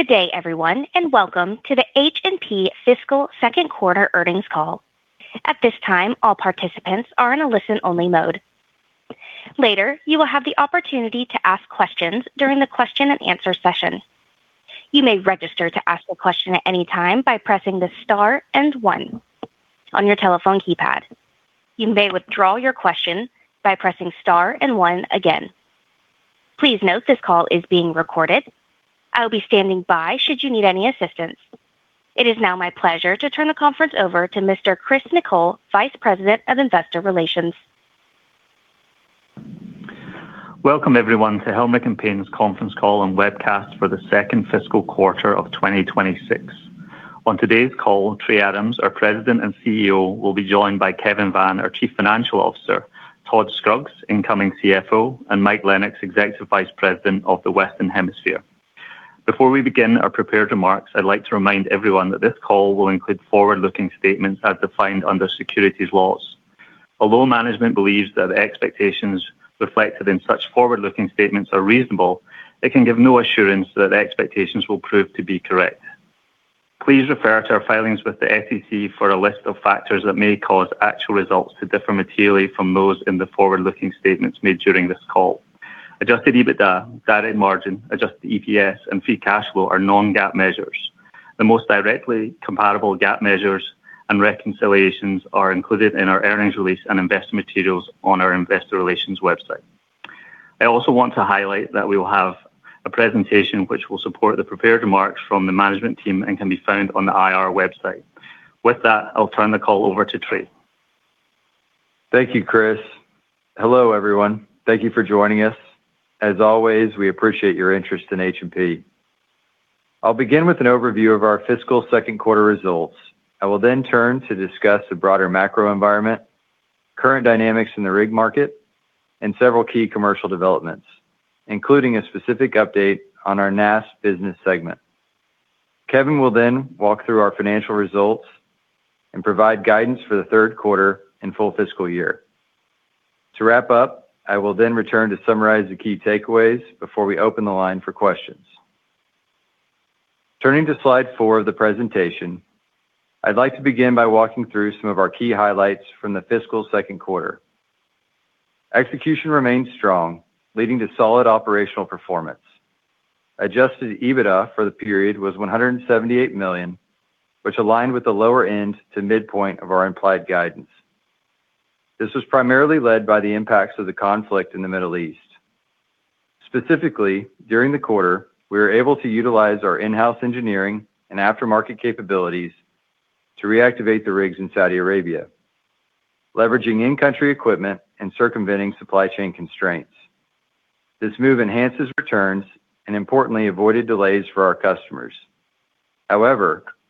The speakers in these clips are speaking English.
Good day, everyone, and welcome to the H&P fiscal second quarter earnings call. It is now my pleasure to turn the conference over to Mr. Kris Nicol, Vice President of Investor Relations. Welcome, everyone, to Helmerich & Payne's conference call and webcast for the second fiscal quarter of 2026. On today's call, Trey Adams, our President and CEO, will be joined by Kevin Vann, our Chief Financial Officer, Todd Scruggs, Incoming CFO, and Mike Lennox, Executive Vice President of the Western Hemisphere. Before we begin our prepared remarks, I'd like to remind everyone that this call will include forward-looking statements as defined under securities laws. Although management believes that the expectations reflected in such forward-looking statements are reasonable, they can give no assurance that expectations will prove to be correct. Please refer to our filings with the SEC for a list of factors that may cause actual results to differ materially from those in the forward-looking statements made during this call. Adjusted EBITDA, direct margin, adjusted EPS, and free cash flow are non-GAAP measures. The most directly comparable GAAP measures and reconciliations are included in our earnings release and investment materials on our investor relations website. I also want to highlight that we will have a presentation which will support the prepared remarks from the management team and can be found on the IR website. With that, I'll turn the call over to Trey. Thank you, Kris. Hello, everyone. Thank you for joining us. As always, we appreciate your interest in H&P. I'll begin with an overview of our fiscal second quarter results. I will then turn to discuss the broader macro environment, current dynamics in the rig market, and several key commercial developments, including a specific update on our NAS business segment. Kevin will then walk through our financial results and provide guidance for the third quarter and full fiscal year. To wrap up, I will then return to summarize the key takeaways before we open the line for questions. Turning to slide four of the presentation, I'd like to begin by walking through some of our key highlights from the fiscal second quarter. Execution remained strong, leading to solid operational performance. Adjusted EBITDA for the period was $178 million, which aligned with the lower end to midpoint of our implied guidance. This was primarily led by the impacts of the conflict in the Middle East. Specifically, during the quarter, we were able to utilize our in-house engineering and aftermarket capabilities to reactivate the rigs in Saudi Arabia, leveraging in-country equipment and circumventing supply chain constraints. This move enhances returns and importantly avoided delays for our customers.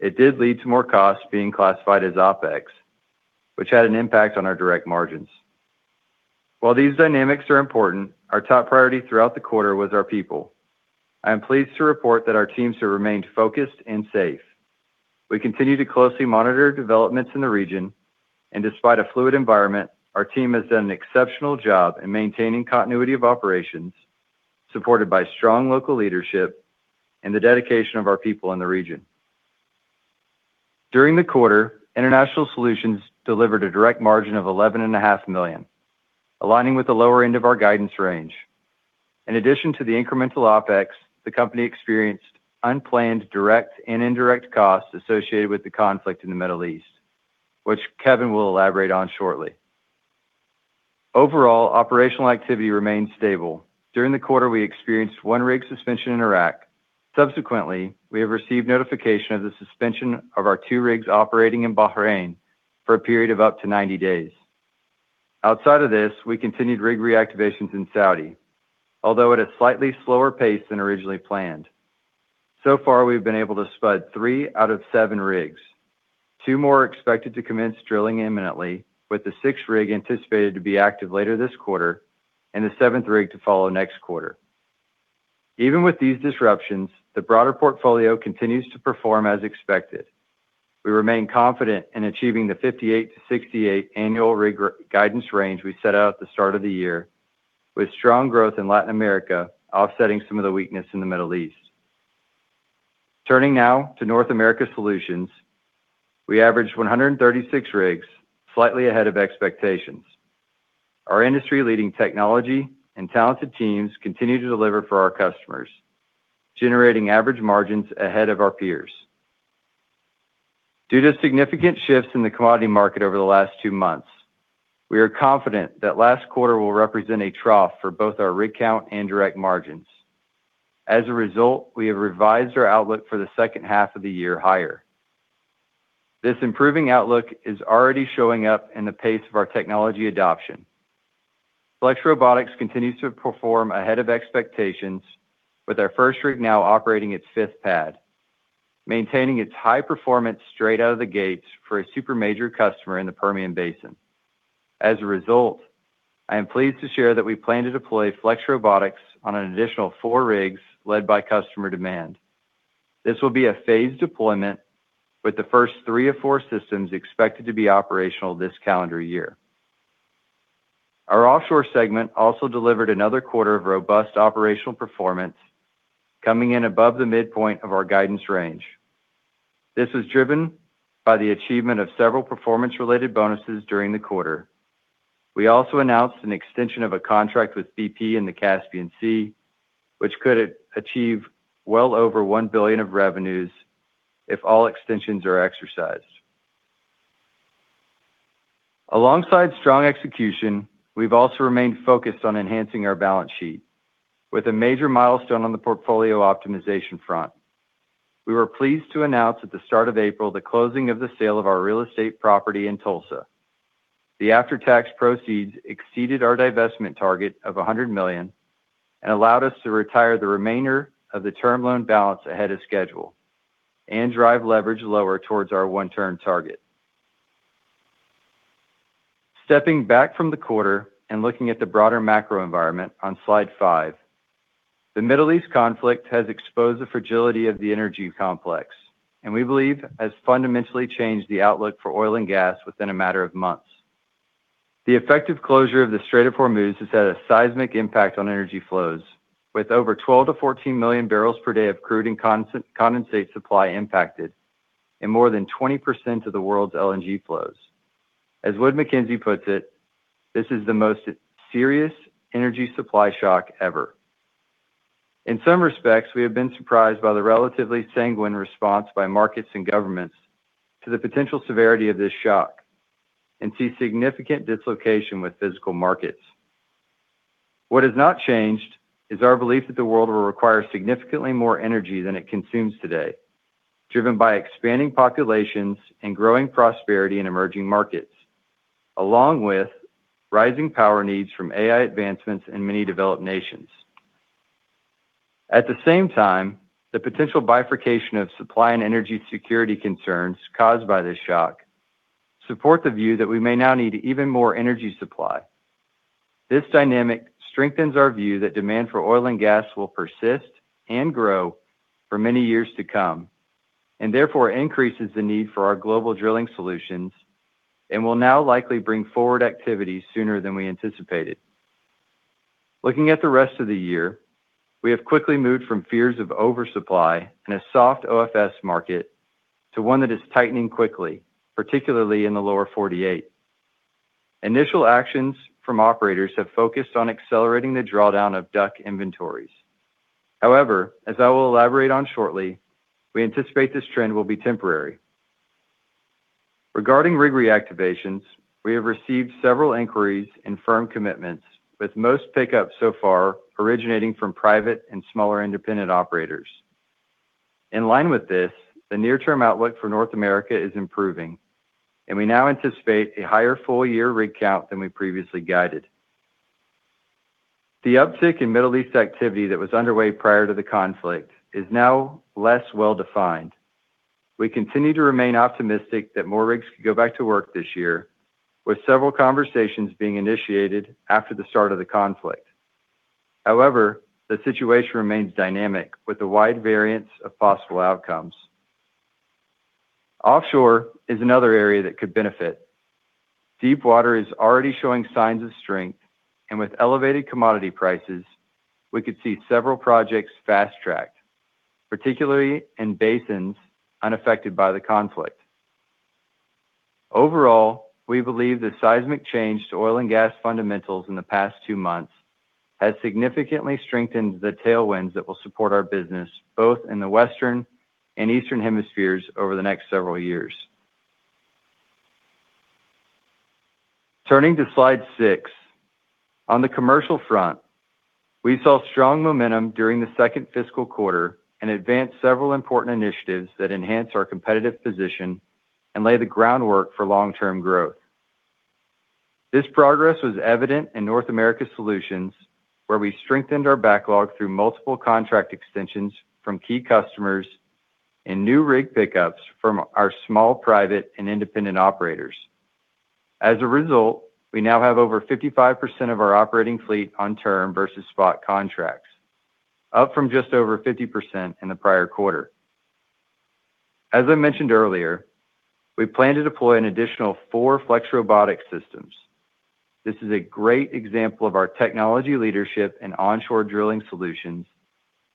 It did lead to more costs being classified as OpEx, which had an impact on our direct margins. While these dynamics are important, our top priority throughout the quarter was our people. I am pleased to report that our teams have remained focused and safe. We continue to closely monitor developments in the region, and despite a fluid environment, our team has done an exceptional job in maintaining continuity of operations, supported by strong local leadership and the dedication of our people in the region. During the quarter, International Solutions delivered a direct margin of $11.5 million, aligning with the lower end of our guidance range. In addition to the incremental OpEx, the company experienced unplanned direct and indirect costs associated with the conflict in the Middle East, which Kevin will elaborate on shortly. Overall, operational activity remained stable. During the quarter, we experienced one rig suspension in Iraq. Subsequently, we have received notification of the suspension of our two rigs operating in Bahrain for a period of up to 90 days. Outside of this, we continued rig reactivations in Saudi, although at a slightly slower pace than originally planned. We've been able to spud three out of seven rigs. Two more are expected to commence drilling imminently, with the sixth rig anticipated to be active later this quarter and the seventh rig to follow next quarter. Even with these disruptions, the broader portfolio continues to perform as expected. We remain confident in achieving the 58-68 annual rig guidance range we set out at the start of the year, with strong growth in Latin America offsetting some of the weakness in the Middle East. Turning now to North America Solutions, we averaged 136 rigs, slightly ahead of expectations. Our industry-leading technology and talented teams continue to deliver for our customers, generating average margins ahead of our peers. Due to significant shifts in the commodity market over the last two months, we are confident that last quarter will represent a trough for both our rig count and direct margins. As a result, we have revised our outlook for the second half of the year higher. This improving outlook is already showing up in the pace of our technology adoption. FlexRobotics continues to perform ahead of expectations with our first rig now operating its fifth pad, maintaining its high performance straight out of the gates for a super major customer in the Permian Basin. As a result, I am pleased to share that we plan to deploy FlexRobotics on an additional four rigs led by customer demand. This will be a phased deployment with the first three of four systems expected to be operational this calendar year. Our Offshore segment also delivered another quarter of robust operational performance coming in above the midpoint of our guidance range. This was driven by the achievement of several performance-related bonuses during the quarter. We also announced an extension of a contract with BP in the Caspian Sea, which could achieve well over $1 billion of revenues if all extensions are exercised. Alongside strong execution, we've also remained focused on enhancing our balance sheet with a major milestone on the portfolio optimization front. We were pleased to announce at the start of April the closing of the sale of our real estate property in Tulsa. The after-tax proceeds exceeded our divestment target of $100 million and allowed us to retire the remainder of the term loan balance ahead of schedule and drive leverage lower towards our 1x target. Stepping back from the quarter and looking at the broader macro environment on slide five, the Middle East conflict has exposed the fragility of the energy complex and we believe has fundamentally changed the outlook for oil and gas within a matter of months. The effective closure of the Strait of Hormuz has had a seismic impact on energy flows with over 12 million-14 million barrels per day of crude and condensate supply impacted and more than 20% of the world's LNG flows. As Wood Mackenzie puts it, "This is the most serious energy supply shock ever." In some respects, we have been surprised by the relatively sanguine response by markets and governments to the potential severity of this shock and see significant dislocation with physical markets. What has not changed is our belief that the world will require significantly more energy than it consumes today, driven by expanding populations and growing prosperity in emerging markets, along with rising power needs from AI advancements in many developed nations. At the same time, the potential bifurcation of supply and energy security concerns caused by this shock support the view that we may now need even more energy supply. This dynamic strengthens our view that demand for oil and gas will persist and grow for many years to come, and therefore increases the need for our global drilling solutions and will now likely bring forward activities sooner than we anticipated. Looking at the rest of the year, we have quickly moved from fears of oversupply in a soft OFS market to one that is tightening quickly, particularly in the Lower 48. Initial actions from operators have focused on accelerating the drawdown of DUC inventories. However, as I will elaborate on shortly, we anticipate this trend will be temporary. Regarding rig reactivations, we have received several inquiries and firm commitments with most pickup so far originating from private and smaller independent operators. In line with this, the near-term outlook for North America is improving, and we now anticipate a higher full-year rig count than we previously guided. The uptick in Middle East activity that was underway prior to the conflict is now less well-defined. We continue to remain optimistic that more rigs could go back to work this year with several conversations being initiated after the start of the conflict. However, the situation remains dynamic with a wide variance of possible outcomes. Offshore is another area that could benefit. Deepwater is already showing signs of strength, and with elevated commodity prices, we could see several projects fast-tracked, particularly in basins unaffected by the conflict. Overall, we believe the seismic change to oil and gas fundamentals in the past two months has significantly strengthened the tailwinds that will support our business, both in the Western and Eastern Hemispheres over the next several years. Turning to slide six, on the commercial front, we saw strong momentum during the second fiscal quarter and advanced several important initiatives that enhance our competitive position and lay the groundwork for long-term growth. This progress was evident in North America Solutions, where we strengthened our backlog through multiple contract extensions from key customers and new rig pickups from our small, private, and independent operators. As a result, we now have over 55% of our operating fleet on term versus spot contracts, up from just over 50% in the prior quarter. As I mentioned earlier, we plan to deploy an additional four FlexRobotics systems. This is a great example of our technology leadership in onshore drilling solutions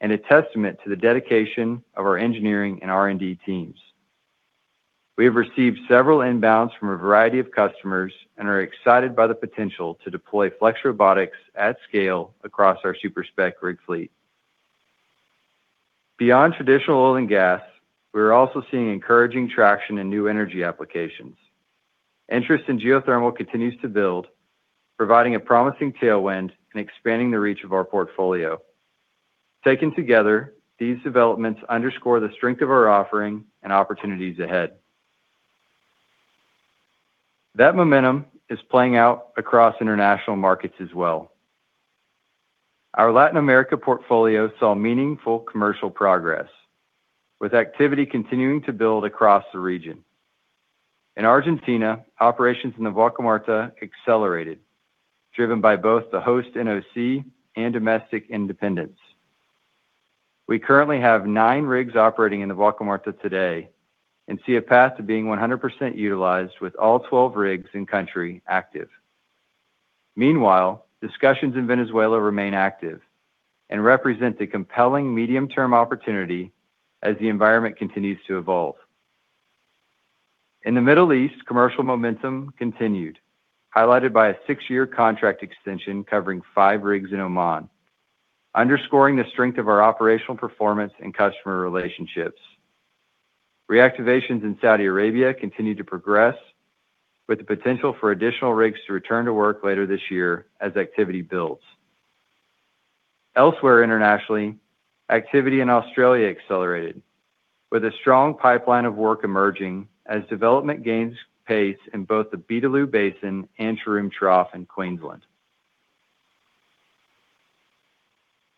and a testament to the dedication of our engineering and R&D teams. We have received several inbounds from a variety of customers and are excited by the potential to deploy FlexRobotics at scale across our super-spec rig fleet. Beyond traditional oil and gas, we are also seeing encouraging traction in new energy applications. Interest in geothermal continues to build, providing a promising tailwind and expanding the reach of our portfolio. Taken together, these developments underscore the strength of our offering and opportunities ahead. That momentum is playing out across international markets as well. Our Latin America portfolio saw meaningful commercial progress with activity continuing to build across the region. In Argentina, operations in the Vaca Muerta accelerated, driven by both the host NOC and domestic independents. We currently have nine rigs operating in the Vaca Muerta today and see a path to being 100% utilized with all 12 rigs in country active. Meanwhile, discussions in Venezuela remain active and represent a compelling medium-term opportunity as the environment continues to evolve. In the Middle East, commercial momentum continued, highlighted by a six-year contract extension covering five rigs in Oman, underscoring the strength of our operational performance and customer relationships. Reactivations in Saudi Arabia continue to progress with the potential for additional rigs to return to work later this year as activity builds. Elsewhere internationally, activity in Australia accelerated with a strong pipeline of work emerging as development gains pace in both the Beetaloo Basin and Taroom Trough in Queensland.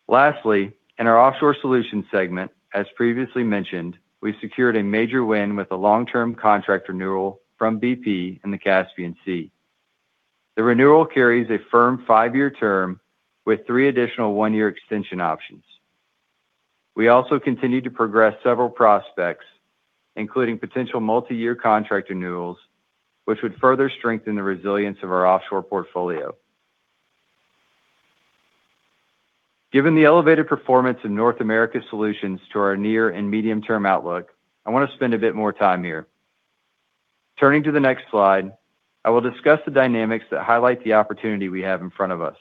Lastly, in our Offshore Solutions segment, as previously mentioned, we secured a major win with a long-term contract renewal from BP in the Caspian Sea. The renewal carries a firm five-year term with three additional one-year extension options. We also continue to progress several prospects, including potential multi-year contract renewals, which would further strengthen the resilience of our offshore portfolio. Given the elevated performance in North America Solutions to our near- and medium-term outlook, I want to spend a bit more time here. Turning to the next slide, I will discuss the dynamics that highlight the opportunity we have in front of us.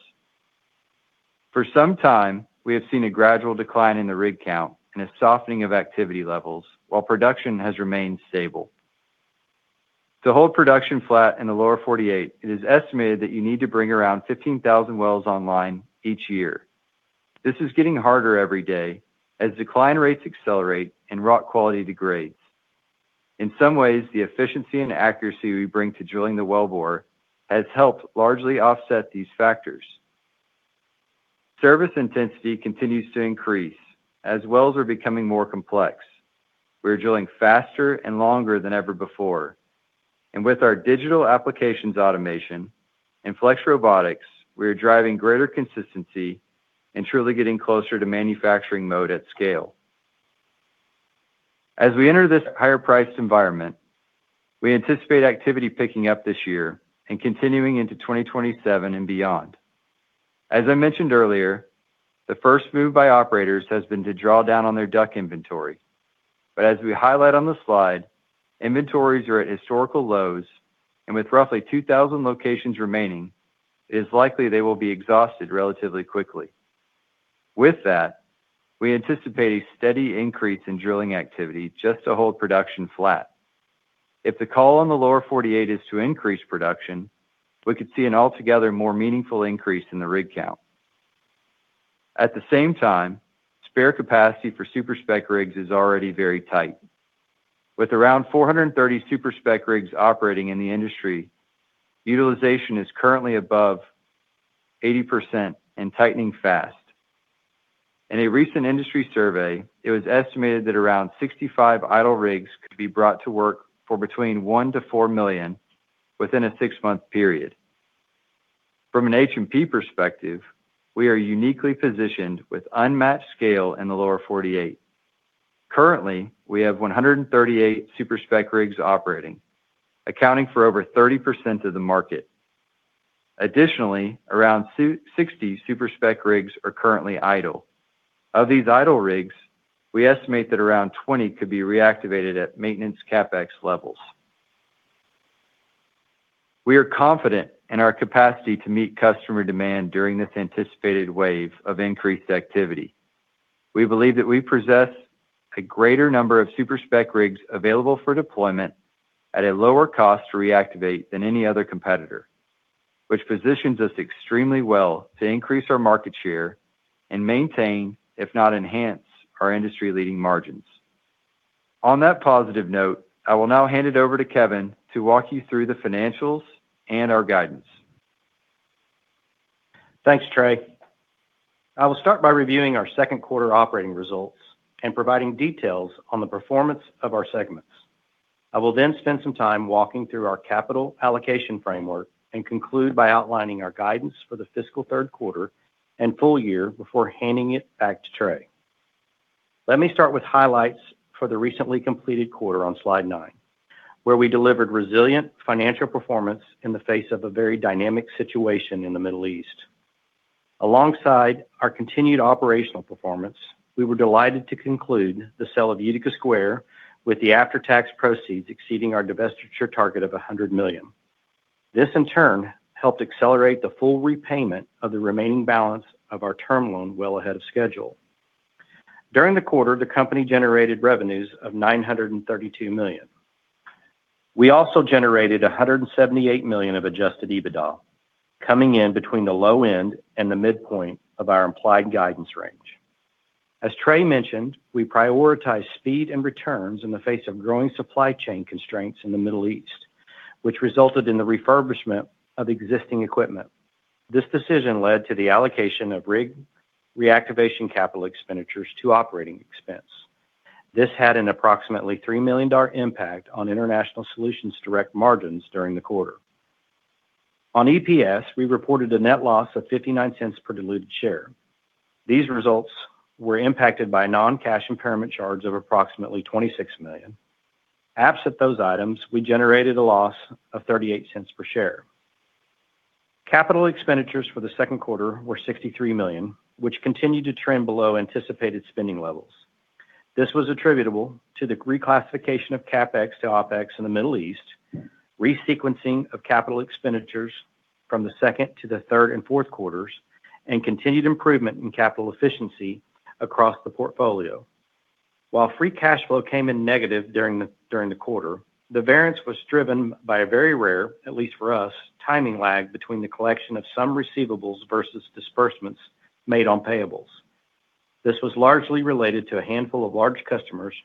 For some time, we have seen a gradual decline in the rig count and a softening of activity levels while production has remained stable. To hold production flat in the Lower 48, it is estimated that you need to bring around 15,000 wells online each year. This is getting harder every day as decline rates accelerate and rock quality degrades. In some ways, the efficiency and accuracy we bring to drilling the wellbore has helped largely offset these factors. Service intensity continues to increase as wells are becoming more complex. We are drilling faster and longer than ever before. With our digital applications automation and FlexRobotics, we are driving greater consistency and truly getting closer to manufacturing mode at scale. As we enter this higher-priced environment, we anticipate activity picking up this year and continuing into 2027 and beyond. As I mentioned earlier, the first move by operators has been to draw down on their DUC inventory. As we highlight on the slide, inventories are at historical lows, and with roughly 2,000 locations remaining, it is likely they will be exhausted relatively quickly. With that, we anticipate a steady increase in drilling activity just to hold production flat. If the call on the Lower 48 is to increase production, we could see an altogether more meaningful increase in the rig count. At the same time, spare capacity for super-spec rigs is already very tight. With around 430 super-spec rigs operating in the industry, utilization is currently above 80% and tightening fast. In a recent industry survey, it was estimated that around 65 idle rigs could be brought to work for between $1 million-$4 million within a six-month period. From an H&P perspective, we are uniquely positioned with unmatched scale in the Lower 48. Currently, we have 138 super-spec rigs operating, accounting for over 30% of the market. Additionally, around 60 super-spec rigs are currently idle. Of these idle rigs, we estimate that around 20 could be reactivated at maintenance CapEx levels. We are confident in our capacity to meet customer demand during this anticipated wave of increased activity. We believe that we possess a greater number of super-spec rigs available for deployment at a lower cost to reactivate than any other competitor, which positions us extremely well to increase our market share and maintain, if not enhance, our industry-leading margins. On that positive note, I will now hand it over to Kevin to walk you through the financials and our guidance. Thanks, Trey. I will start by reviewing our second quarter operating results and providing details on the performance of our segments. I will then spend some time walking through our capital allocation framework and conclude by outlining our guidance for the fiscal third quarter and full year before handing it back to Trey. Let me start with highlights for the recently completed quarter on slide nine, where we delivered resilient financial performance in the face of a very dynamic situation in the Middle East. Alongside our continued operational performance, we were delighted to conclude the sale of Utica Square with the after-tax proceeds exceeding our divestiture target of $100 million. This, in turn, helped accelerate the full repayment of the remaining balance of our term loan well ahead of schedule. During the quarter, the company generated revenues of $932 million. We also generated $178 million of adjusted EBITDA, coming in between the low end and the midpoint of our implied guidance range. As Trey mentioned, we prioritized speed and returns in the face of growing supply chain constraints in the Middle East, which resulted in the refurbishment of existing equipment. This decision led to the allocation of rig reactivation capital expenditures to operating expense. This had an approximately $3 million impact on International Solutions direct margins during the quarter. On EPS, we reported a net loss of $0.59 per diluted share. These results were impacted by non-cash impairment charges of approximately $26 million. Absent those items, we generated a loss of $0.38 per share. Capital expenditures for the second quarter were $63 million, which continued to trend below anticipated spending levels. This was attributable to the reclassification of CapEx to OpEx in the Middle East, resequencing of capital expenditures from the second to the third and fourth quarters, and continued improvement in capital efficiency across the portfolio. While free cash flow came in negative during the quarter, the variance was driven by a very rare, at least for us, timing lag between the collection of some receivables versus disbursements made on payables. This was largely related to a handful of large customers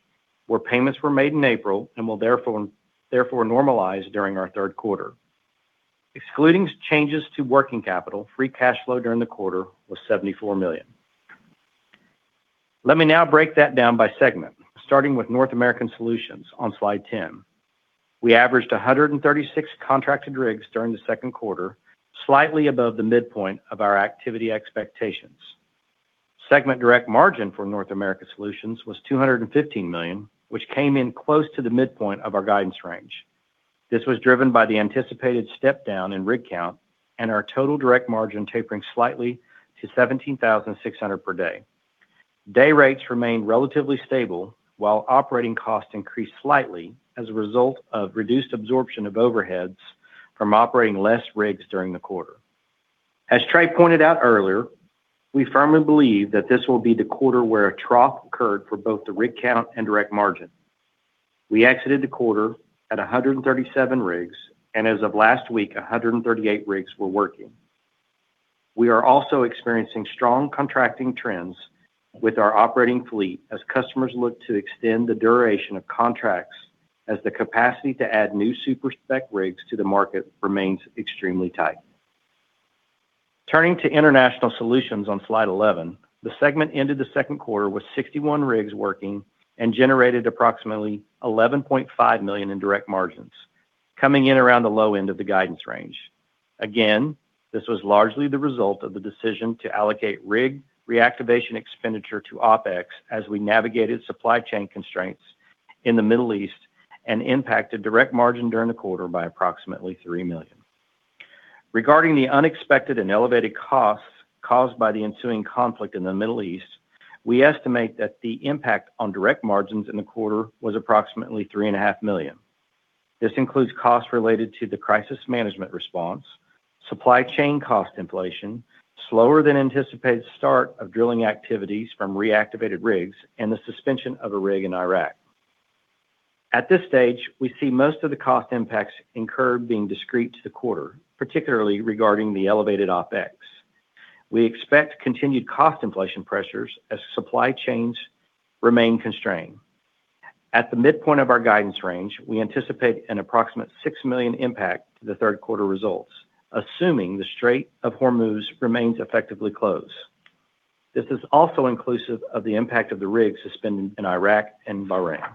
where payments were made in April and will therefore normalize during our third quarter. Excluding changes to working capital, free cash flow during the quarter was $74 million. Let me now break that down by segment, starting with North America Solutions on slide 10. We averaged 136 contracted rigs during the second quarter, slightly above the midpoint of our activity expectations. Segment direct margin for North America Solutions was $215 million, which came in close to the midpoint of our guidance range. This was driven by the anticipated step-down in rig count and our total direct margin tapering slightly to $17,600 per day. Day rates remained relatively stable while operating costs increased slightly as a result of reduced absorption of overheads from operating less rigs during the quarter. As Trey pointed out earlier, we firmly believe that this will be the quarter where a trough occurred for both the rig count and direct margin. We exited the quarter at 137 rigs, and as of last week, 138 rigs were working. We are also experiencing strong contracting trends with our operating fleet as customers look to extend the duration of contracts as the capacity to add new super-spec rigs to the market remains extremely tight. Turning to International Solutions on slide 11, the segment ended the second quarter with 61 rigs working and generated approximately $11.5 million in direct margins, coming in around the low end of the guidance range. Again, this was largely the result of the decision to allocate rig reactivation expenditure to OpEx as we navigated supply chain constraints in the Middle East and impacted direct margin during the quarter by approximately $3 million. Regarding the unexpected and elevated costs caused by the ensuing conflict in the Middle East, we estimate that the impact on direct margins in the quarter was approximately $3.5 million. This includes costs related to the crisis management response, supply chain cost inflation, slower-than-anticipated start of drilling activities from reactivated rigs, and the suspension of a rig in Iraq. At this stage, we see most of the cost impacts incurred being discrete to the quarter, particularly regarding the elevated OpEx. We expect continued cost inflation pressures as supply chains remain constrained. At the midpoint of our guidance range, we anticipate an approximate $6 million impact to the third quarter results, assuming the Strait of Hormuz remains effectively closed. This is also inclusive of the impact of the rig suspended in Iraq and Bahrain.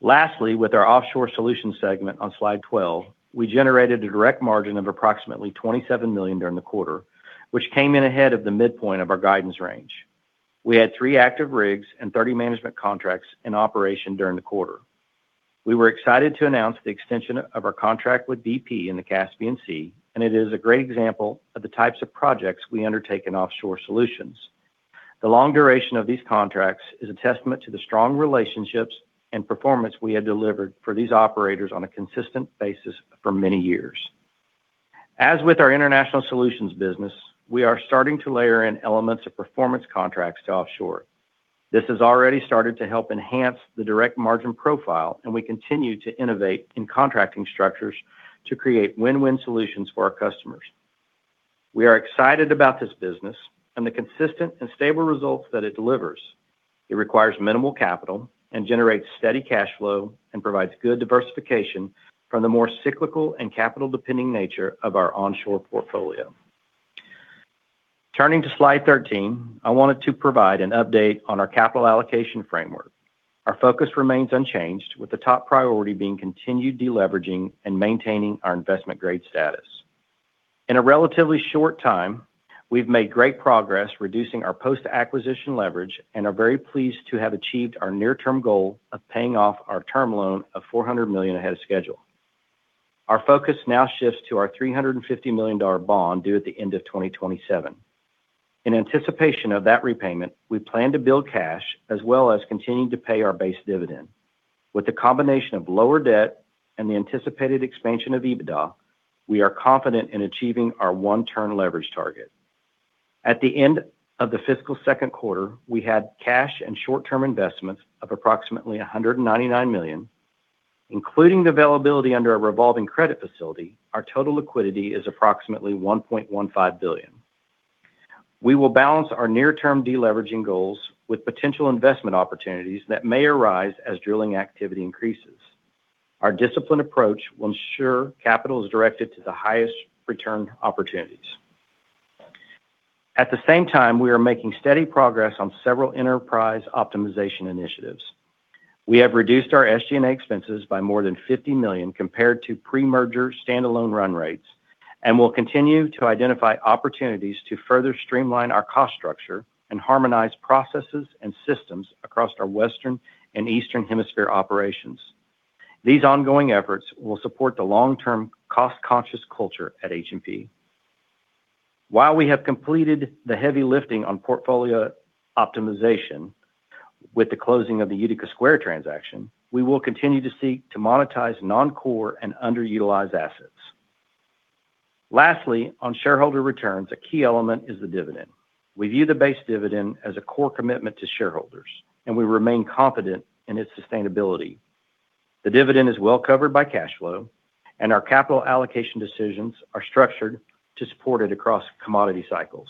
With our Offshore Solutions segment on slide 12, we generated a direct margin of approximately $27 million during the quarter, which came in ahead of the midpoint of our guidance range. We had three active rigs and 30 management contracts in operation during the quarter. We were excited to announce the extension of our contract with BP in the Caspian Sea. It is a great example of the types of projects we undertake in Offshore Solutions. The long duration of these contracts is a testament to the strong relationships and performance we have delivered for these operators on a consistent basis for many years. As with our International Solutions business, we are starting to layer in elements of performance contracts to Offshore. This has already started to help enhance the direct margin profile. We continue to innovate in contracting structures to create win-win solutions for our customers. We are excited about this business and the consistent and stable results that it delivers. It requires minimal capital and generates steady cash flow and provides good diversification from the more cyclical and capital-dependent nature of our onshore portfolio. Turning to slide 13, I wanted to provide an update on our capital allocation framework. Our focus remains unchanged, with the top priority being continued deleveraging and maintaining our investment grade status. In a relatively short time, we've made great progress reducing our post-acquisition leverage and are very pleased to have achieved our near-term goal of paying off our term loan of $400 million ahead of schedule. Our focus now shifts to our $350 million bond due at the end of 2027. In anticipation of that repayment, we plan to build cash as well as continuing to pay our base dividend. With the combination of lower debt and the anticipated expansion of EBITDA, we are confident in achieving our 1x leverage target. At the end of the fiscal second quarter, we had cash and short-term investments of approximately $199 million. Including the availability under a revolving credit facility, our total liquidity is approximately $1.15 billion. We will balance our near-term deleveraging goals with potential investment opportunities that may arise as drilling activity increases. Our disciplined approach will ensure capital is directed to the highest return opportunities. At the same time, we are making steady progress on several enterprise optimization initiatives. We have reduced our SG&A expenses by more than $50 million compared to pre-merger standalone run rates, and will continue to identify opportunities to further streamline our cost structure and harmonize processes and systems across our Western and Eastern Hemisphere operations. These ongoing efforts will support the long-term cost-conscious culture at H&P. While we have completed the heavy lifting on portfolio optimization with the closing of the Utica Square transaction, we will continue to seek to monetize non-core and underutilized assets. Lastly, on shareholder returns, a key element is the dividend. We view the base dividend as a core commitment to shareholders, and we remain confident in its sustainability. The dividend is well covered by cash flow, and our capital allocation decisions are structured to support it across commodity cycles.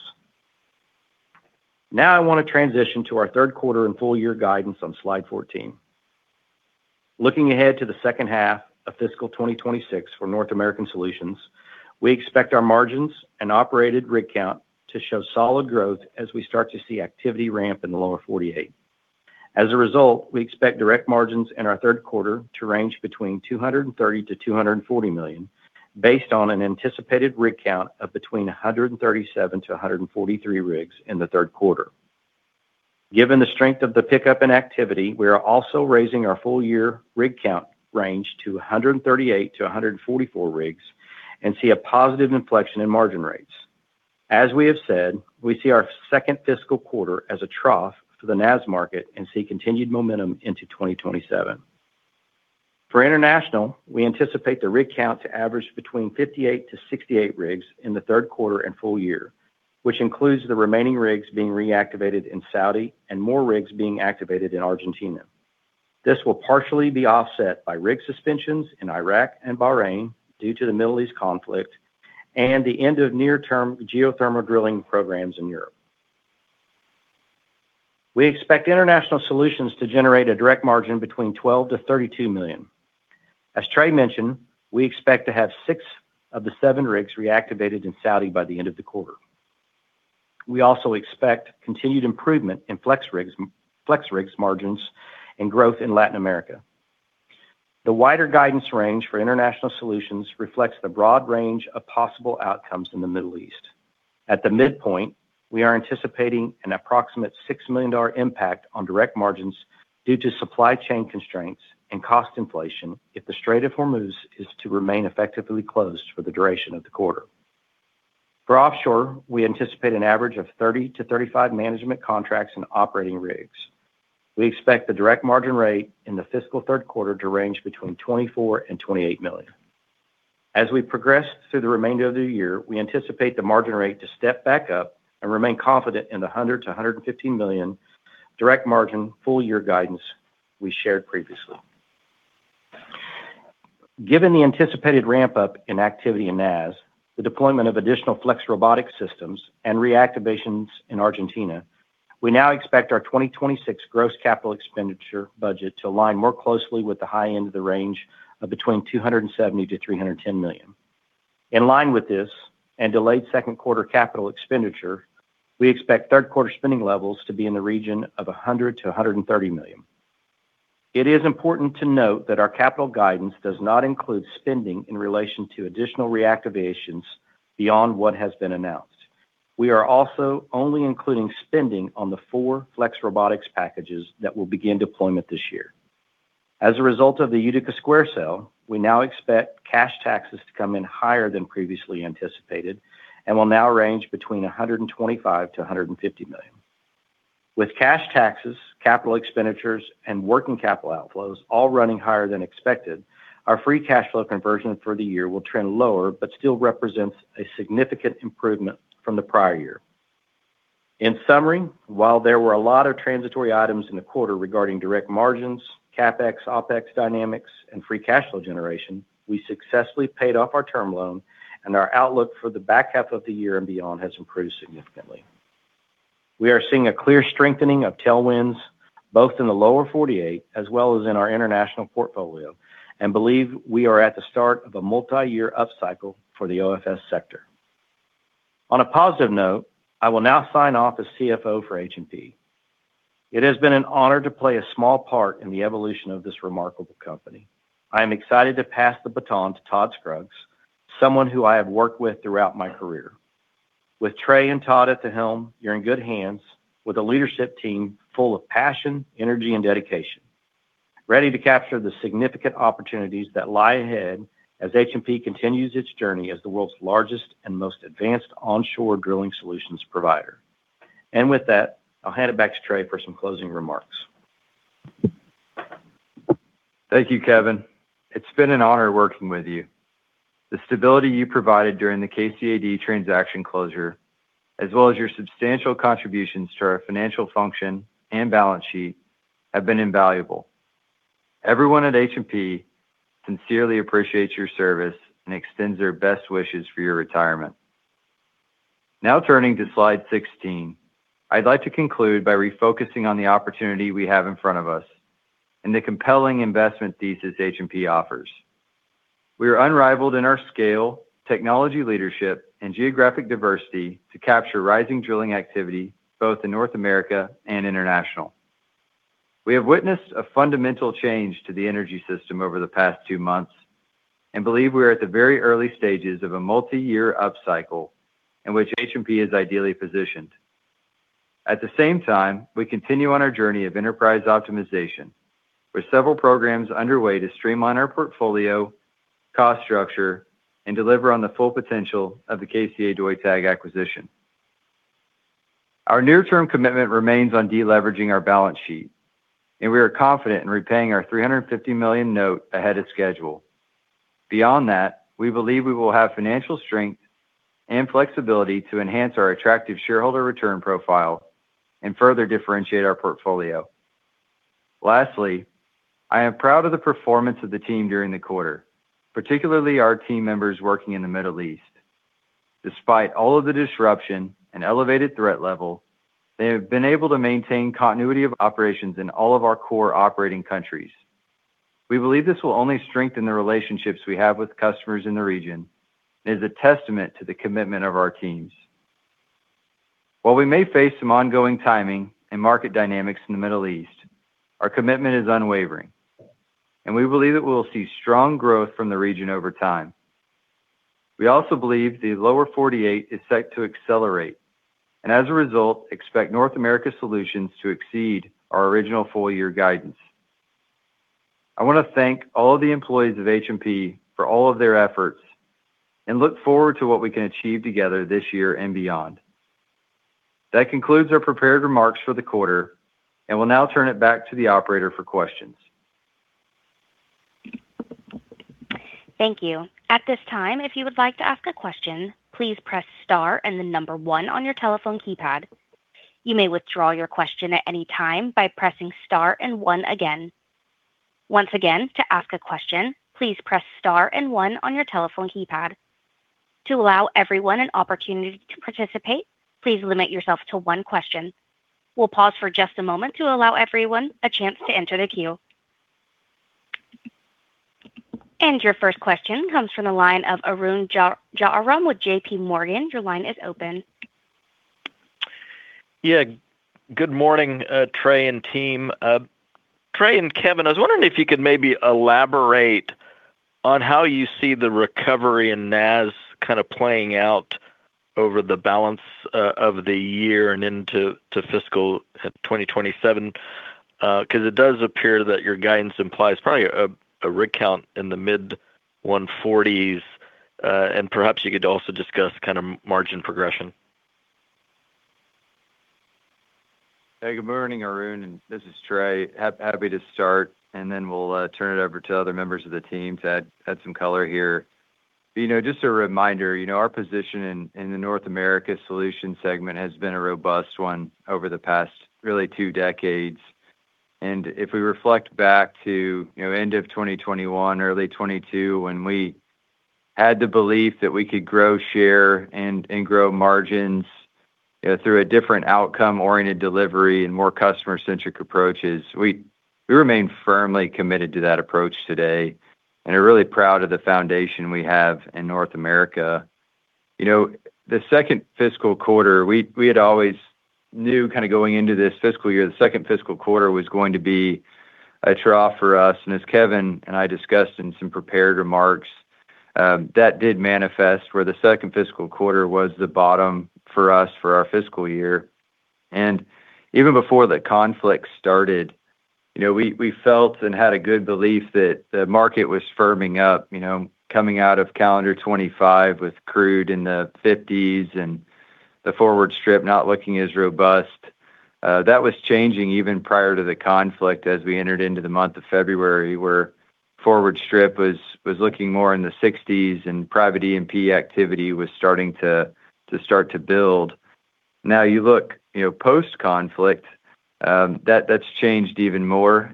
Now I wanna transition to our third quarter and full-year guidance on slide 14. Looking ahead to the second half of fiscal 2026 for North America Solutions, we expect our margins and operated rig count to show solid growth as we start to see activity ramp in the Lower 48. We expect direct margins in our third quarter to range between $230 million-$240 million based on an anticipated rig count of between 137-143 rigs in the third quarter. Given the strength of the pickup in activity, we are also raising our full-year rig count range to 138-144 rigs and see a positive inflection in margin rates. As we have said, we see our second fiscal quarter as a trough for the NAS market and see continued momentum into 2027. For international, we anticipate the rig count to average between 58-68 rigs in the third quarter and full year, which includes the remaining rigs being reactivated in Saudi and more rigs being activated in Argentina. This will partially be offset by rig suspensions in Iraq and Bahrain due to the Middle East conflict and the end of near-term geothermal drilling programs in Europe. We expect International Solutions to generate a direct margin between $12 million-$32 million. As Trey mentioned, we expect to have six of the seven rigs reactivated in Saudi by the end of the quarter. We also expect continued improvement in FlexRig's margins and growth in Latin America. The wider guidance range for International Solutions reflects the broad range of possible outcomes in the Middle East. At the midpoint, we are anticipating an approximate $6 million impact on direct margins due to supply chain constraints and cost inflation if the Strait of Hormuz is to remain effectively closed for the duration of the quarter. For Offshore, we anticipate an average of 30-35 management contracts and operating rigs. We expect the direct margin rate in the fiscal third quarter to range between $24 million and $28 million. As we progress through the remainder of the year, we anticipate the margin rate to step back up and remain confident in the $100 million-$115 million direct margin full-year guidance we shared previously. Given the anticipated ramp-up in activity in NAS, the deployment of additional FlexRobotics systems, and reactivations in Argentina, we now expect our 2026 gross capital expenditure budget to align more closely with the high end of the range of between $270 million-$310 million. In line with this and delayed second quarter capital expenditure, we expect third quarter spending levels to be in the region of $100 million-$130 million. It is important to note that our capital guidance does not include spending in relation to additional reactivations beyond what has been announced. We are also only including spending on the four FlexRobotics packages that will begin deployment this year. As a result of the Utica Square sale, we now expect cash taxes to come in higher than previously anticipated and will now range between $125 million-$150 million. With cash taxes, capital expenditures, and working capital outflows all running higher than expected, our free cash flow conversion for the year will trend lower but still represents a significant improvement from the prior year. In summary, while there were a lot of transitory items in the quarter regarding direct margins, CapEx, OpEx dynamics, and free cash flow generation, we successfully paid off our term loan and our outlook for the back half of the year and beyond has improved significantly. We are seeing a clear strengthening of tailwinds, both in the Lower 48 as well as in our international portfolio, and believe we are at the start of a multiyear upcycle for the OFS sector. On a positive note, I will now sign off as CFO for H&P. It has been an honor to play a small part in the evolution of this remarkable company. I am excited to pass the baton to Todd Scruggs, someone who I have worked with throughout my career. With Trey and Todd at the helm, you're in good hands with a leadership team full of passion, energy, and dedication, ready to capture the significant opportunities that lie ahead as H&P continues its journey as the world's largest and most advanced onshore drilling solutions provider. With that, I'll hand it back to Trey for some closing remarks. Thank you, Kevin. It's been an honor working with you. The stability you provided during the KCAD transaction closure, as well as your substantial contributions to our financial function and balance sheet, have been invaluable. Everyone at H&P sincerely appreciates your service and extends their best wishes for your retirement. Now turning to slide 16, I'd like to conclude by refocusing on the opportunity we have in front of us and the compelling investment thesis H&P offers. We are unrivaled in our scale, technology leadership, and geographic diversity to capture rising drilling activity both in North America and international. We have witnessed a fundamental change to the energy system over the past two months and believe we are at the very early stages of a multi-year upcycle in which H&P is ideally positioned. At the same time, we continue on our journey of enterprise optimization with several programs underway to streamline our portfolio, cost structure, and deliver on the full potential of the KCA Deutag acquisition. Our near-term commitment remains on de-leveraging our balance sheet, and we are confident in repaying our $350 million note ahead of schedule. Beyond that, we believe we will have financial strength and flexibility to enhance our attractive shareholder return profile and further differentiate our portfolio. Lastly, I am proud of the performance of the team during the quarter, particularly our team members working in the Middle East. Despite all of the disruption and elevated threat level, they have been able to maintain continuity of operations in all of our core operating countries. We believe this will only strengthen the relationships we have with customers in the region and is a testament to the commitment of our teams. While we may face some ongoing timing and market dynamics in the Middle East, our commitment is unwavering, and we believe that we will see strong growth from the region over time. We also believe the Lower 48 is set to accelerate and, as a result, expect North America Solutions to exceed our original full-year guidance. I wanna thank all the employees of H&P for all of their efforts and look forward to what we can achieve together this year and beyond. That concludes our prepared remarks for the quarter, and we'll now turn it back to the operator for questions. Thank you. At this time, if you would like to ask a question, please press star and the number one on your telephone keypad. You may withdraw your question at any time by pressing star and one again. Once again, to ask a question, please press star and one on your telephone keypad. To allow everyone an opportunity to participate, please limit yourself to one question. We'll pause for just a moment to allow everyone a chance to enter the queue. Your first question comes from the line of Arun Jayaram with JPMorgan. Your line is open. Yeah. Good morning, Trey and team. Trey and Kevin, I was wondering if you could maybe elaborate on how you see the recovery in NAS kind of playing out over the balance of the year and into fiscal 2027, 'cause it does appear that your guidance implies probably a rig count in the mid-140s. Perhaps you could also discuss kind of margin progression. Hey, good morning, Arun. This is Trey. Happy to start, then we'll turn it over to other members of the team to add some color here. You know, just a reminder, you know, our position in the North America Solutions segment has been a robust one over the past, really, two decades. If we reflect back to, you know, end of 2021, early 2022, when we had the belief that we could grow share and grow margins through a different outcome-oriented delivery and more customer-centric approaches, we remain firmly committed to that approach today and are really proud of the foundation we have in North America. You know, the second fiscal quarter, we had always knew kinda going into this fiscal year, the second fiscal quarter was going to be a trough for us. As Kevin and I discussed in some prepared remarks, that did manifest where the second fiscal quarter was the bottom for us for our fiscal year. Even before the conflict started, you know, we felt and had a good belief that the market was firming up, you know, coming out of calendar 2025 with crude in the $50s and the forward strip not looking as robust. That was changing even prior to the conflict as we entered into the month of February, where forward strip was looking more in the $60s and private E&P activity was starting to build. Now you look, you know, post-conflict, that's changed even more.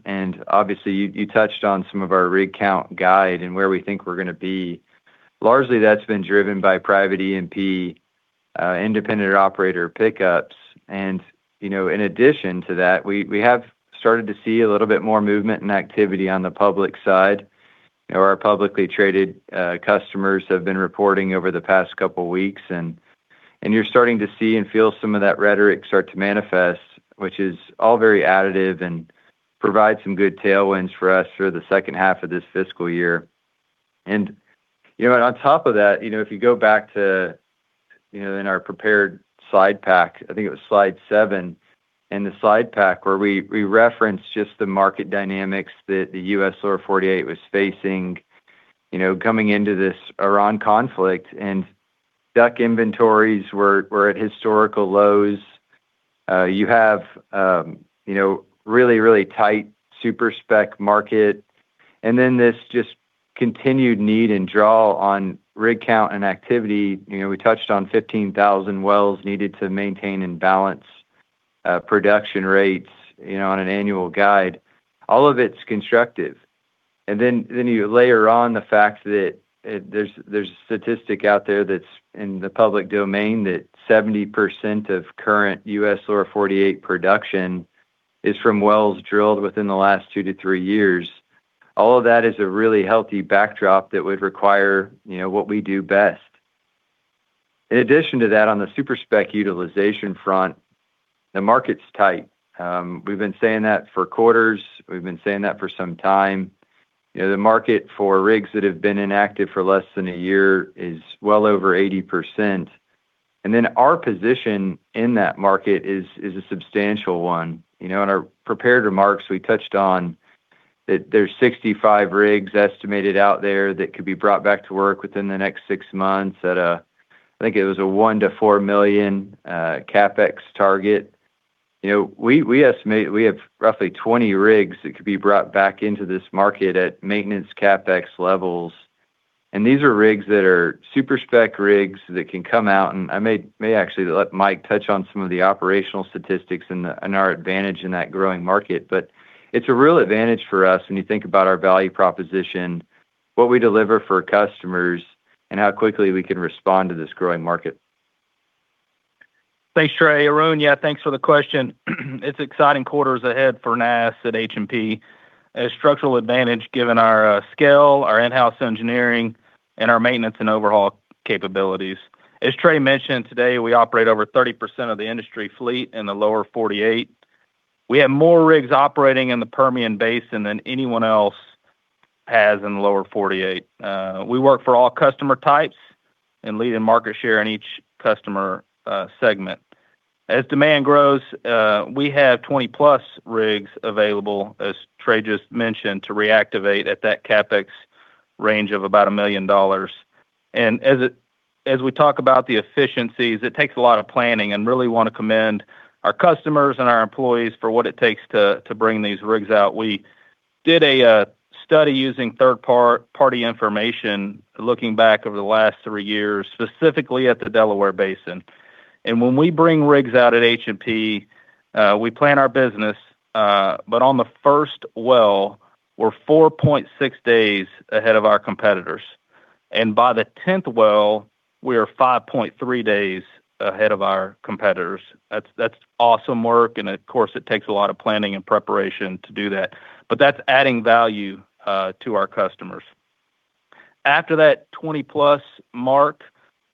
Obviously you touched on some of our rig count guide and where we think we're gonna be. Largely, that's been driven by private E&P, independent operator pickups. You know, in addition to that, we have started to see a little bit more movement and activity on the public side. You know, our publicly traded customers have been reporting over the past couple weeks and you're starting to see and feel some of that rhetoric start to manifest, which is all very additive and provides some good tailwinds for us through the second half of this fiscal year. You know, on top of that, you know, if you go back to, you know, in our prepared slide pack, I think it was slide seven in the slide pack where we referenced just the market dynamics that the U.S. Lower 48 was facing, you know, coming into this Iran conflict. DUC inventories were at historical lows. You have, you know, really, really tight super-spec market. This just continued need and draw on rig count and activity. You know, we touched on 15,000 wells needed to maintain and balance production rates, you know, on an annual guide. All of it's constructive. You layer on the fact that there's a statistic out there that's in the public domain that 70% of current U.S. Lower 48 production is from wells drilled within the last two to three years. All of that is a really healthy backdrop that would require, you know, what we do best. In addition to that, on the super-spec utilization front, the market's tight. We've been saying that for quarters. We've been saying that for some time. You know, the market for rigs that have been inactive for less than a year is well over 80%. Our position in that market is a substantial one. You know, in our prepared remarks, we touched on that there's 65 rigs estimated out there that could be brought back to work within the next six months at a, I think it was a $1 million-$4 million CapEx target. You know, we estimate we have roughly 20 rigs that could be brought back into this market at maintenance CapEx levels. These are rigs that are super-spec rigs that can come out. I may actually let Mike touch on some of the operational statistics and our advantage in that growing market. It's a real advantage for us when you think about our value proposition, what we deliver for customers, and how quickly we can respond to this growing market. Thanks, Trey. Arun, thanks for the question. It's exciting quarters ahead for NAS at H&P. A structural advantage given our scale, our in-house engineering, and our maintenance and overhaul capabilities. As Trey mentioned today, we operate over 30% of the industry fleet in the Lower 48. We have more rigs operating in the Permian Basin than anyone else has in the Lower 48. We work for all customer types and lead in market share in each customer segment. As demand grows, we have 20+ rigs available, as Trey just mentioned, to reactivate at that CapEx range of about $1 million. As we talk about the efficiencies, it takes a lot of planning, and really wanna commend our customers and our employees for what it takes to bring these rigs out. We did a study using third party information looking back over the last three years, specifically at the Delaware Basin. When we bring rigs out at H&P, we plan our business, but on the first well, we're 4.6 days ahead of our competitors. By the 10th well, we are 5.3 days ahead of our competitors. That's awesome work, and of course, it takes a lot of planning and preparation to do that. That's adding value to our customers. After that 20+ mark,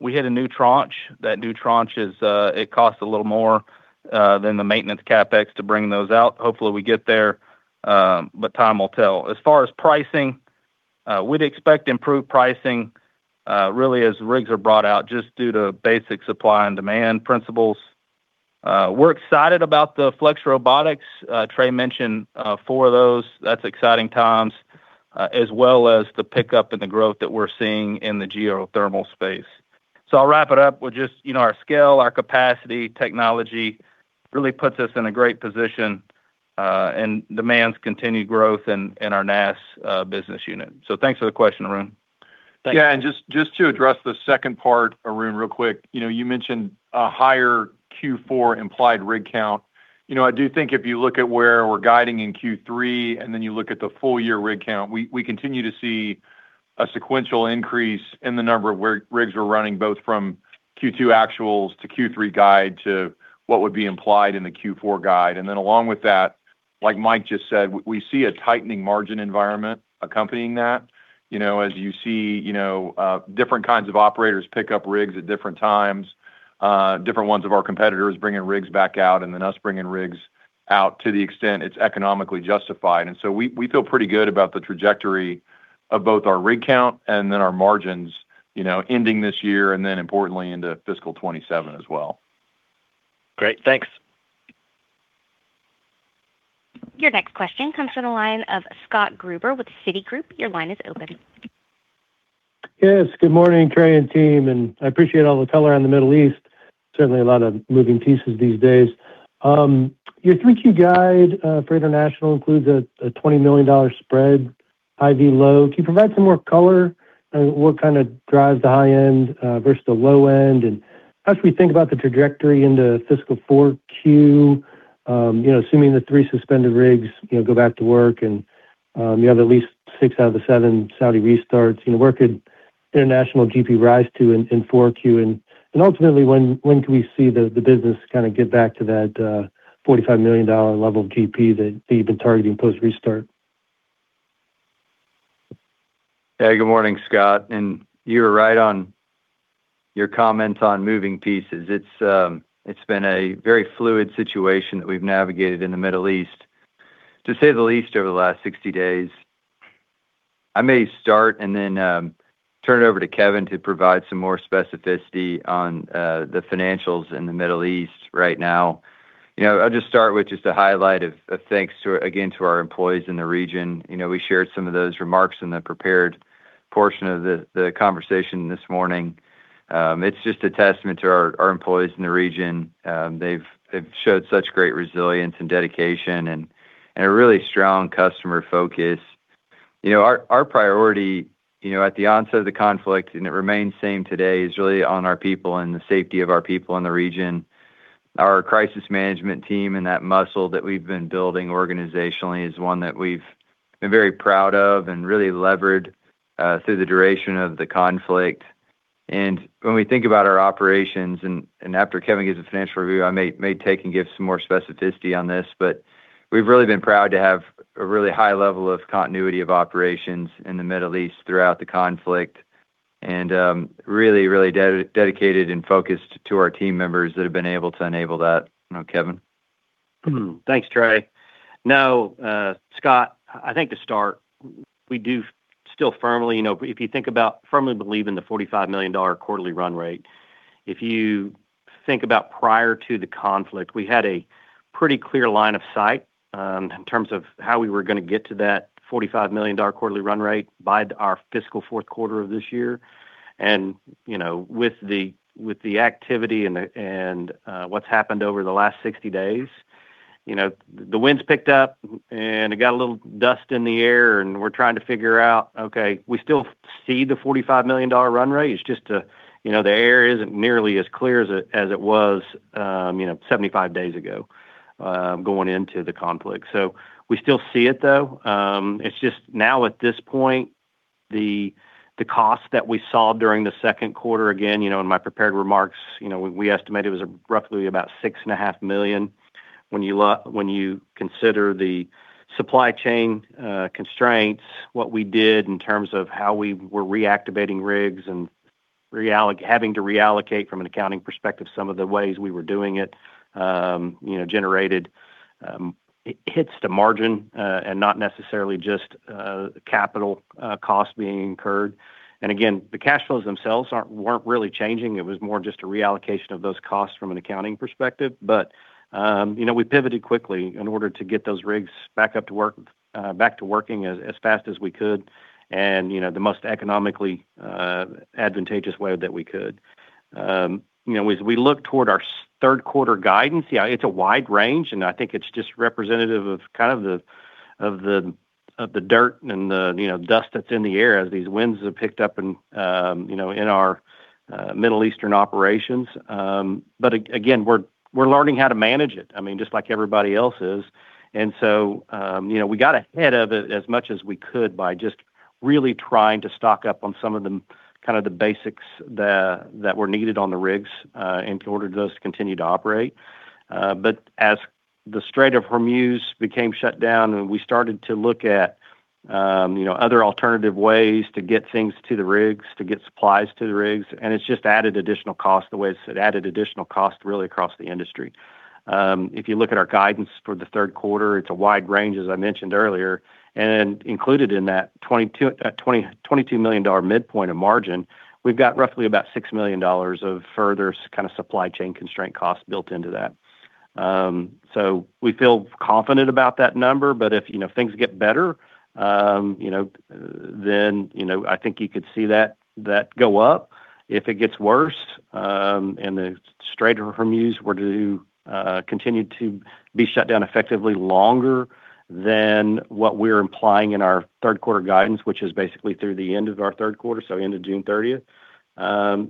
we hit a new tranche. That new tranche is, it costs a little more than the maintenance CapEx to bring those out. Hopefully, we get there, but time will tell. As far as pricing, we'd expect improved pricing really as rigs are brought out just due to basic supply and demand principles. We're excited about the FlexRobotics. Trey mentioned four of those. That's exciting times, as well as the pickup and the growth that we're seeing in the geothermal space. I'll wrap it up with just, you know, our scale, our capacity, technology really puts us in a great position, and demands continued growth in our NAS business unit. Thanks for the question, Arun. Yeah, just to address the second part, Arun, real quick. You know, you mentioned a higher Q4 implied rig count. You know, I do think if you look at where we're guiding in Q3 and then you look at the full-year rig count, we continue to see a sequential increase in the number of rigs we're running, both from Q2 actuals to Q3 guide to what would be implied in the Q4 guide. Along with that, like Mike just said, we see a tightening margin environment accompanying that. You know, as you see, you know, different kinds of operators pick up rigs at different times, different ones of our competitors bringing rigs back out and then us bringing rigs out to the extent it's economically justified. We feel pretty good about the trajectory of both our rig count and then our margins, you know, ending this year and then importantly into fiscal 2027 as well. Great. Thanks. Your next question comes from the line of Scott Gruber with Citigroup. Your line is open. Yes. Good morning, Trey and team, I appreciate all the color on the Middle East. Certainly a lot of moving pieces these days. Your 3Q guide for International includes a $20 million spread, high versus low. Can you provide some more color on what kinda drives the high end versus the low end? As we think about the trajectory into fiscal 4Q, you know, assuming the three suspended rigs, you know, go back to work and you have at least six out of the seven Saudi restarts, you know, where could International GP rise to in 4Q? Ultimately, when can we see the business kinda get back to that $45 million level of GP that they've been targeting post-restart? Yeah, good morning, Scott, you were right on your comments on moving pieces. It's, it's been a very fluid situation that we've navigated in the Middle East, to say the least, over the last 60 days. I may start then turn it over to Kevin to provide some more specificity on the financials in the Middle East right now. You know, I'll just start with just a highlight of thanks to, again, to our employees in the region. You know, we shared some of those remarks in the prepared portion of the conversation this morning. It's just a testament to our employees in the region. They've showed such great resilience and dedication and a really strong customer focus. You know, our priority, you know, at the onset of the conflict, and it remains same today, is really on our people and the safety of our people in the region. Our crisis management team and that muscle that we've been building organizationally is one that we've been very proud of and really leveraged through the duration of the conflict. When we think about our operations and after Kevin gives a financial review, I may take and give some more specificity on this, but we've really been proud to have a really high level of continuity of operations in the Middle East throughout the conflict and really dedicated and focused to our team members that have been able to enable that. Kevin. Thanks, Trey. Scott, I think to start, we do still firmly, you know, if you think about firmly believe in the $45 million quarterly run rate. If you think about prior to the conflict, we had a pretty clear line of sight, in terms of how we were gonna get to that $45 million quarterly run rate by our fiscal fourth quarter of this year. You know, with the, with the activity and, what's happened over the last 60 days, you know, the wind's picked up and it got a little dust in the air, and we're trying to figure out, okay, we still see the $45 million run rate. It's just, you know, the air isn't nearly as clear as it was, you know, 75 days ago, going into the conflict. We still see it, though. It's just now at this point, the cost that we saw during the second quarter, again, in my prepared remarks, we estimate it was roughly about $6.5 million. When you consider the supply chain constraints, what we did in terms of how we were reactivating rigs and having to reallocate from an accounting perspective some of the ways we were doing it, generated hits to margin, and not necessarily just capital costs being incurred. Again, the cash flows themselves weren't really changing. It was more just a reallocation of those costs from an accounting perspective. We pivoted quickly in order to get those rigs back up to work, back to working as fast as we could and, you know, the most economically advantageous way that we could. You know, as we look toward our third quarter guidance, yeah, it's a wide range, and I think it's just representative of kind of the dirt and the, you know, dust that's in the air as these winds have picked up and, you know, in our Middle Eastern operations. Again, we're learning how to manage it, I mean, just like everybody else is. You know, we got ahead of it as much as we could by just really trying to stock up on some of the kind of the basics that were needed on the rigs, in order for those to continue to operate. As the Strait of Hormuz became shut down and we started to look at, you know, other alternative ways to get things to the rigs, to get supplies to the rigs, and it's just added additional cost the way it's added additional cost really across the industry. If you look at our guidance for the third quarter, it's a wide range, as I mentioned earlier. Included in that $22 million midpoint of margin, we've got roughly about $6 million of further kind of supply chain constraint costs built into that. We feel confident about that number, but if, you know, things get better, you know, then, you know, I think you could see that go up. If it gets worse, and the Strait of Hormuz were to continue to be shut down effectively longer than what we're implying in our third quarter guidance, which is basically through the end of our third quarter, so into June 30th,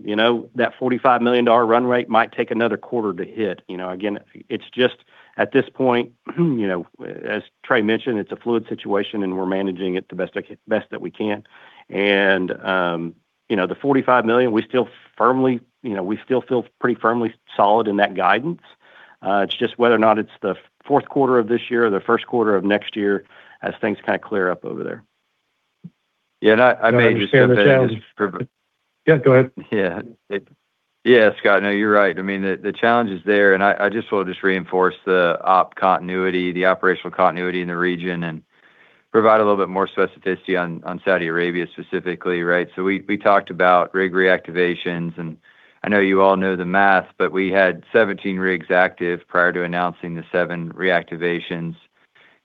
you know, that $45 million run rate might take another quarter to hit. You know, again, it's just at this point, you know, as Trey mentioned, it's a fluid situation, we're managing it the best that we can. You know, the $45 million, we still firmly, you know, we still feel pretty firmly solid in that guidance. It's just whether or not it's the fourth quarter of this year or the first quarter of next year as things kind of clear up over there. Yeah, I may just jump in. You know, I understand the challenge. Yeah, go ahead. Yeah. Yeah, Scott, no, you're right. I mean, the challenge is there, and I just want to just reinforce the op continuity, the operational continuity in the region and provide a little bit more specificity on Saudi Arabia specifically, right? We talked about rig reactivations, and I know you all know the math, but we had 17 rigs active prior to announcing the seven reactivations.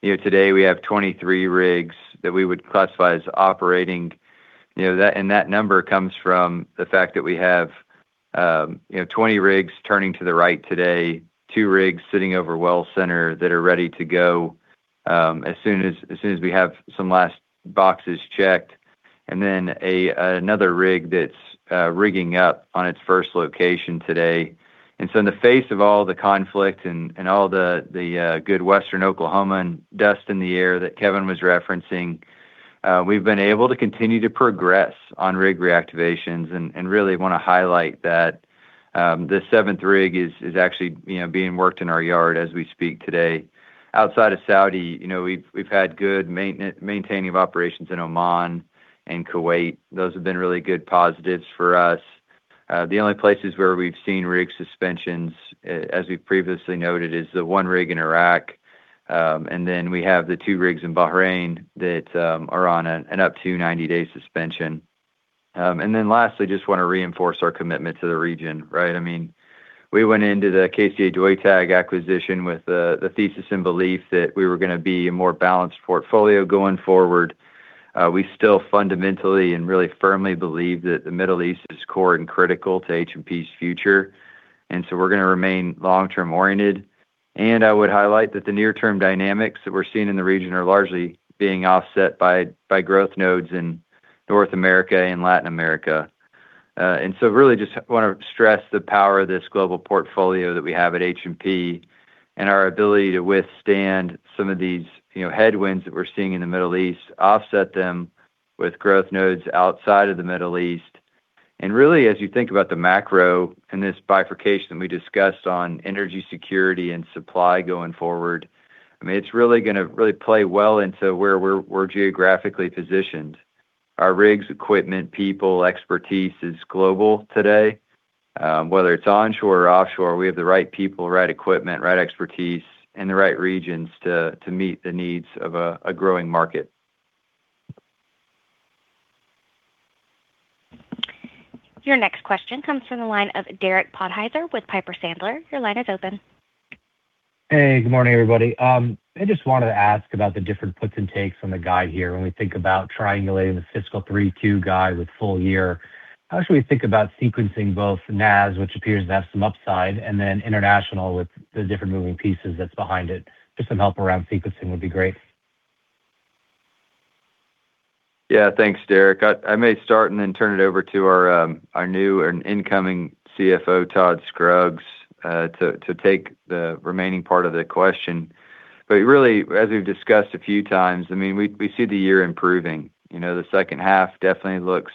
You know, today we have 23 rigs that we would classify as operating. You know, and that number comes from the fact that we have, you know, 20 rigs turning to the right today, two rigs sitting over well center that are ready to go, as soon as soon as we have some last boxes checked, and then another rig that's rigging up on its first location today. In the face of all the conflict and all the good Western Oklahoma and dust in the air that Kevin was referencing, we've been able to continue to progress on rig reactivations and really wanna highlight that the seventh rig is actually, you know, being worked in our yard as we speak today. Outside of Saudi, you know, we've had good maintaining of operations in Oman and Kuwait. Those have been really good positives for us. The only places where we've seen rig suspensions, as we've previously noted, is the one rig in Iraq, and then we have the two rigs in Bahrain that are on an up to 90-day suspension. Lastly, just wanna reinforce our commitment to the region, right? I mean, we went into the KCA Deutag acquisition with the thesis and belief that we were gonna be a more balanced portfolio going forward. We still fundamentally and really firmly believe that the Middle East is core and critical to H&P's future, we're gonna remain long-term oriented. I would highlight that the near-term dynamics that we're seeing in the region are largely being offset by growth nodes in North America and Latin America. Really just wanna stress the power of this global portfolio that we have at H&P and our ability to withstand some of these, you know, headwinds that we're seeing in the Middle East, offset them with growth nodes outside of the Middle East. Really, as you think about the macro and this bifurcation we discussed on energy security and supply going forward, I mean, it's really gonna really play well into where we're geographically positioned. Our rigs, equipment, people, expertise is global today. Whether it's onshore or offshore, we have the right people, right equipment, right expertise, and the right regions to meet the needs of a growing market. Your next question comes from the line of Derek Podhaizer with Piper Sandler. Your line is open. Hey, good morning, everybody. I just wanted to ask about the different puts and takes from the guide here. When we think about triangulating the fiscal 3Q guide with full year, how should we think about sequencing both NAS, which appears to have some upside, and then International with the different moving pieces that's behind it? Just some help around sequencing would be great. Yeah. Thanks, Derek. I may start and then turn it over to our new and Incoming CFO Todd Scruggs to take the remaining part of the question. Really, as we've discussed a few times, I mean, we see the year improving. You know, the second half definitely looks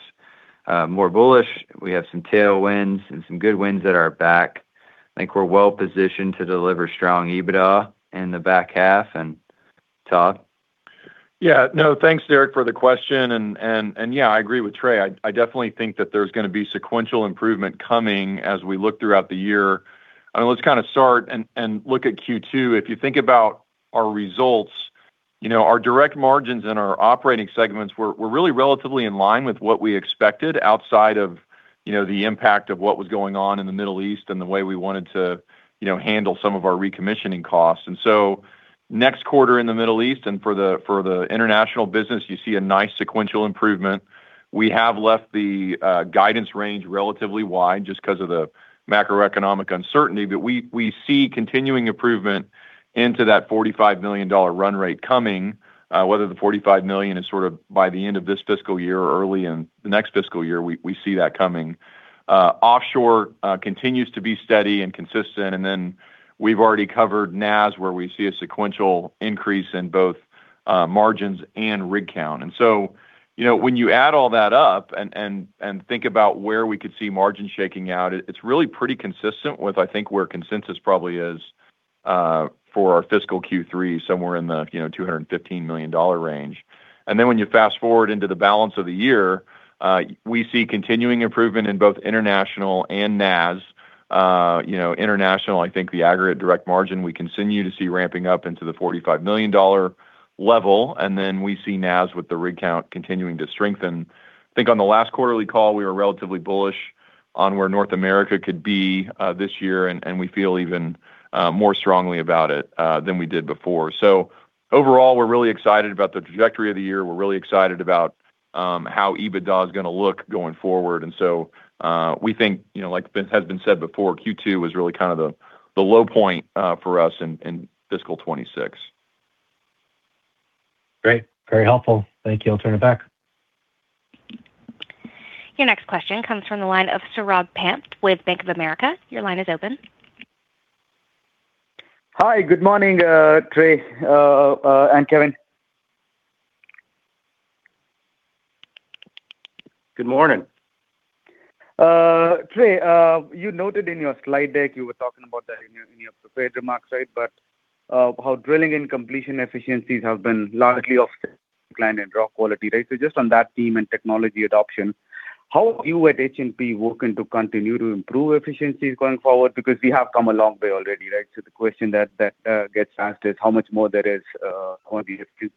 more bullish. We have some tailwinds and some good winds at our back. I think we're well positioned to deliver strong EBITDA in the back half. Todd? Yeah. No, thanks, Derek, for the question. Yeah, I agree with Trey. I definitely think that there's gonna be sequential improvement coming as we look throughout the year. I mean, let's kinda start and look at Q2. If you think about our results, you know, our direct margins and our operating segments were really relatively in line with what we expected outside of, you know, the impact of what was going on in the Middle East and the way we wanted to, you know, handle some of our recommissioning costs. Next quarter in the Middle East and for the international business, you see a nice sequential improvement. We have left the guidance range relatively wide just 'cause of the macroeconomic uncertainty. We see continuing improvement into that $45 million run rate coming, whether the $45 million is sort of by the end of this fiscal year or early in the next fiscal year, we see that coming. Offshore continues to be steady and consistent. We've already covered NAS, where we see a sequential increase in both margins and rig count. You know, when you add all that up and think about where we could see margins shaking out, it's really pretty consistent with, I think, where consensus probably is for our fiscal Q3, somewhere in the, you know, $215 million range. When you fast-forward into the balance of the year, we see continuing improvement in both International and NAS. You know, International, I think the aggregate direct margin, we continue to see ramping up into the $45 million level. We see NAS with the rig count continuing to strengthen. I think on the last quarterly call, we were relatively bullish on where North America could be this year, and we feel even more strongly about it than we did before. Overall, we're really excited about the trajectory of the year. We're really excited about how EBITDA is going to look going forward. We think, you know, like has been said before, Q2 was really kind of the low point for us in fiscal 2026. Great. Very helpful. Thank you. I'll turn it back. Your next question comes from the line of Saurabh Pant with Bank of America. Your line is open. Hi. Good morning, Trey, and Kevin. Good morning. Trey, you noted in your slide deck, you were talking about that in your prepared remarks, right? How drilling and completion efficiencies have been largely offset decline in rock quality, right? Just on that theme and technology adoption, how have you at H&P working to continue to improve efficiencies going forward? Because we have come a long way already, right? The question that gets asked is how much more there is, how much more do you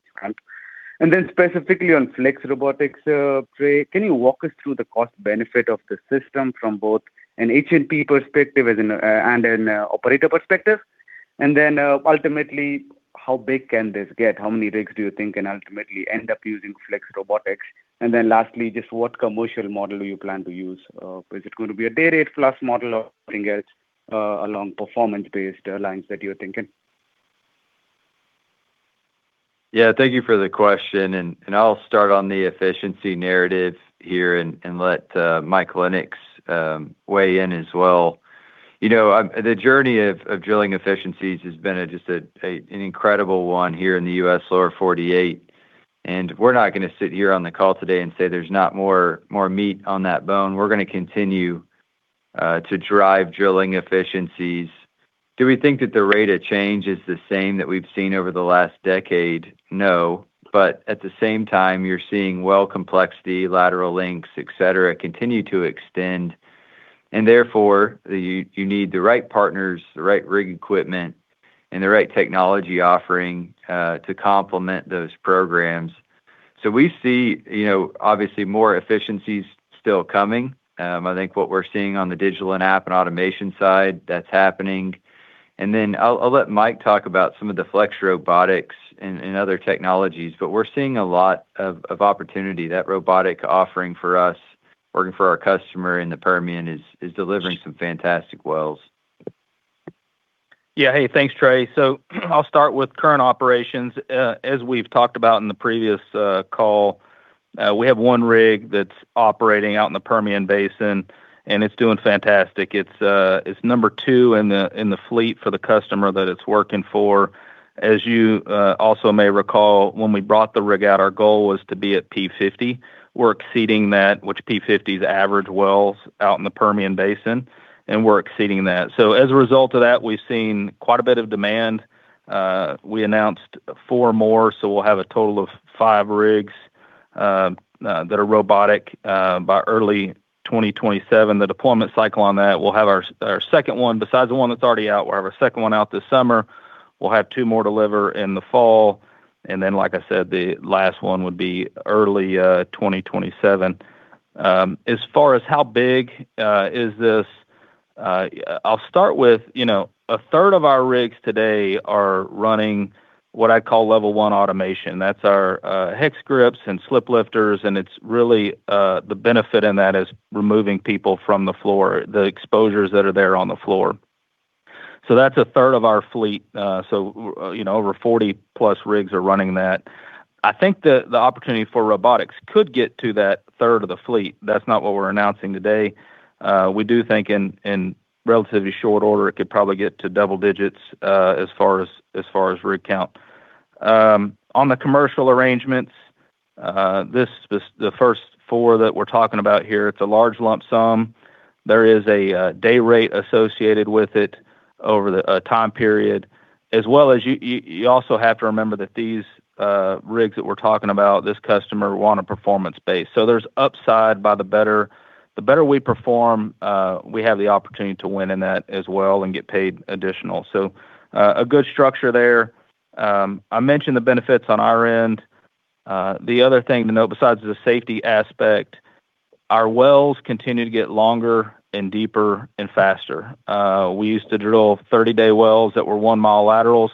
have to count? Specifically on FlexRobotics, Trey, can you walk us through the cost-benefit of the system from both an H&P perspective as an and an operator perspective? Ultimately, how big can this get? How many rigs do you think can ultimately end up using FlexRobotics? Lastly, just what commercial model do you plan to use? Is it gonna be a day rate plus model or something else along performance-based lines that you're thinking? Yeah. Thank you for the question. I'll start on the efficiency narrative here and let Mike Lennox weigh in as well. You know, the journey of drilling efficiencies has been just an incredible one here in the U.S. Lower 48. We're not gonna sit here on the call today and say there's not more meat on that bone. We're gonna continue to drive drilling efficiencies. Do we think that the rate of change is the same that we've seen over the last decade? No. At the same time, you're seeing well complexity, lateral links, et cetera, continue to extend, and therefore you need the right partners, the right rig equipment, and the right technology offering to complement those programs. We see, you know, obviously more efficiencies still coming. I think what we're seeing on the digital and app and automation side, that's happening. I'll let Mike talk about some of the FlexRobotics and other technologies. We're seeing a lot of opportunity. That robotic offering for us, working for our customer in the Permian is delivering some fantastic wells. Yeah. Hey, thanks, Trey. I'll start with current operations. As we've talked about in the previous call, we have 1 rig that's operating out in the Permian Basin. It's doing fantastic. It's number two in the fleet for the customer that it's working for. As you also may recall, when we brought the rig out, our goal was to be at P50. We're exceeding that. P50 is average wells out in the Permian Basin. We're exceeding that. As a result of that, we've seen quite a bit of demand. We announced four more. We'll have a total of five rigs that are robotic by early 2027. The deployment cycle on that, we'll have our second one. Besides the one that's already out, we'll have our second one out this summer. We'll have two more deliver in the fall. Like I said, the last one would be early 2027. As far as how big is this, I'll start with, you know, a third of our rigs today are running what I call Level 1 automation. That's our HexGrip and slip lifters, and it's really the benefit in that is removing people from the floor, the exposures that are there on the floor. That's a third of our fleet. You know, over 40+ rigs are running that. I think the opportunity for robotics could get to that third of the fleet. That's not what we're announcing today. We do think in relatively short order it could probably get to double digits as far as rig count. On the commercial arrangements, this is the first four that we're talking about here. It's a large lump sum. There is a day rate associated with it over the time period. As well as you also have to remember that these rigs that we're talking about, this customer want a performance base. There's upside by the better we perform, we have the opportunity to win in that as well and get paid additional. A good structure there. I mentioned the benefits on our end. The other thing to note besides the safety aspect, our wells continue to get longer and deeper and faster. We used to drill 30-day wells that were 1-mile laterals.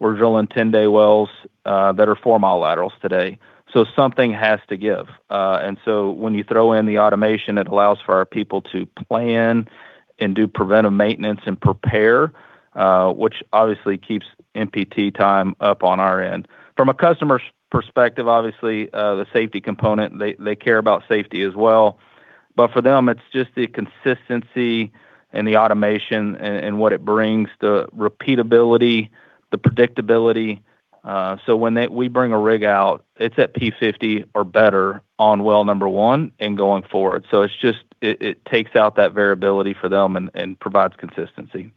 We're drilling 10-day wells that are 4-mile laterals today. Something has to give. When you throw in the automation, it allows for our people to plan and do preventive maintenance and prepare, which obviously keeps NPT time up on our end. From a customer's perspective, obviously, the safety component, they care about safety as well. For them, it's just the consistency and the automation and what it brings, the repeatability, the predictability. When we bring a rig out, it's at P50 or better on well number one and going forward. It's just, it takes out that variability for them and provides consistency.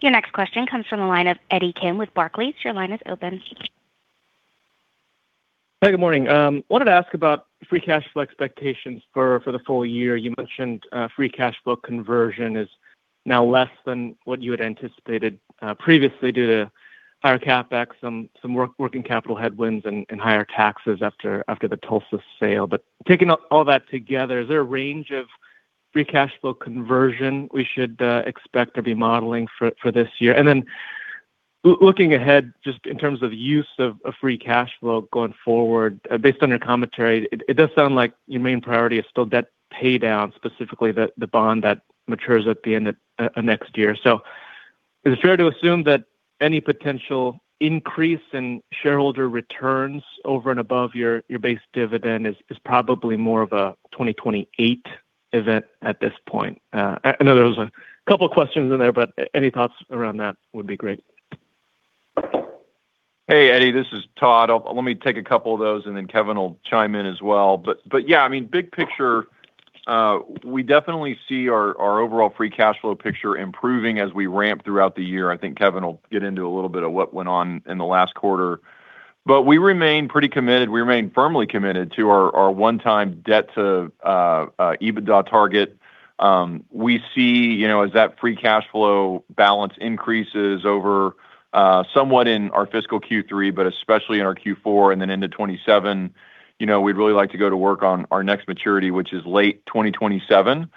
Your next question comes from the line of Eddie Kim with Barclays. Your line is open. Hey, good morning. Wanted to ask about free cash flow expectations for the full year. You mentioned free cash flow conversion is now less than what you had anticipated previously due to higher CapEx, some working capital headwinds and higher taxes after the Tulsa sale. Taking all that together, is there a range of free cash flow conversion we should expect to be modeling for this year? Then looking ahead, just in terms of use of free cash flow going forward, based on your commentary, it does sound like your main priority is still debt paydown, specifically the bond that matures at the end of next year. Is it fair to assume that any potential increase in shareholder returns over and above your base dividend is probably more of a 2028 event at this point? I know there was two questions in there, but any thoughts around that would be great. Hey, Eddie, this is Todd. Let me take a couple of those and then Kevin will chime in as well. Yeah, I mean, big picture, we definitely see our overall free cash flow picture improving as we ramp throughout the year. I think Kevin will get into a little bit of what went on in the last quarter. We remain pretty committed. We remain firmly committed to our 1x debt to EBITDA target. We see, you know, as that free cash flow balance increases over somewhat in our fiscal Q3, but especially in our Q4 and then into 2027, you know, we'd really like to go to work on our next maturity, which is late 2027.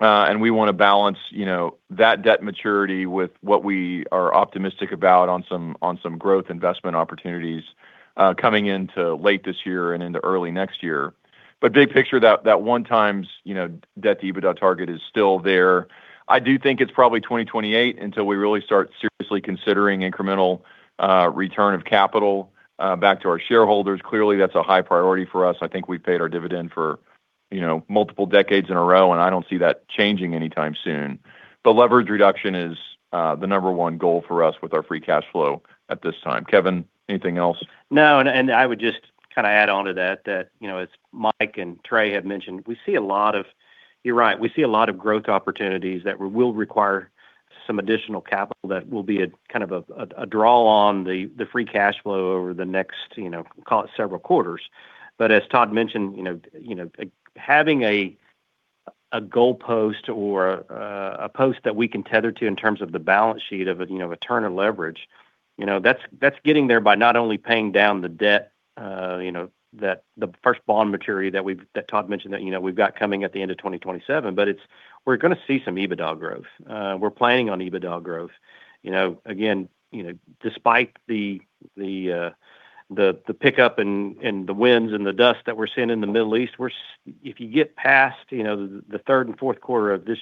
We want to balance, you know, that debt maturity with what we are optimistic about on some growth investment opportunities coming into late this year and into early next year. Big picture, that 1x, you know, debt to EBITDA target is still there. I do think it's probably 2028 until we really start seriously considering incremental return of capital back to our shareholders. Clearly, that's a high priority for us. I think we've paid our dividend for, you know, multiple decades in a row, and I don't see that changing anytime soon. Leverage reduction is the number one goal for us with our free cash flow at this time. Kevin, anything else? No. I would just kinda add on to that, you know, as Mike and Trey had mentioned, You're right. We see a lot of growth opportunities that will require some additional capital that will be a kind of a draw on the free cash flow over the next, you know, call it several quarters. As Todd mentioned, you know, having a goalpost or a post that we can tether to in terms of the balance sheet of a, you know, return or leverage, you know, that's getting there by not only paying down the debt, you know, that the first bond maturity that Todd mentioned that, you know, we've got coming at the end of 2027, but it's, we're gonna see some EBITDA growth. We're planning on EBITDA growth. You know, again, you know, despite the pickup and the winds and the dust that we're seeing in the Middle East, if you get past, you know, the third and fourth quarter of this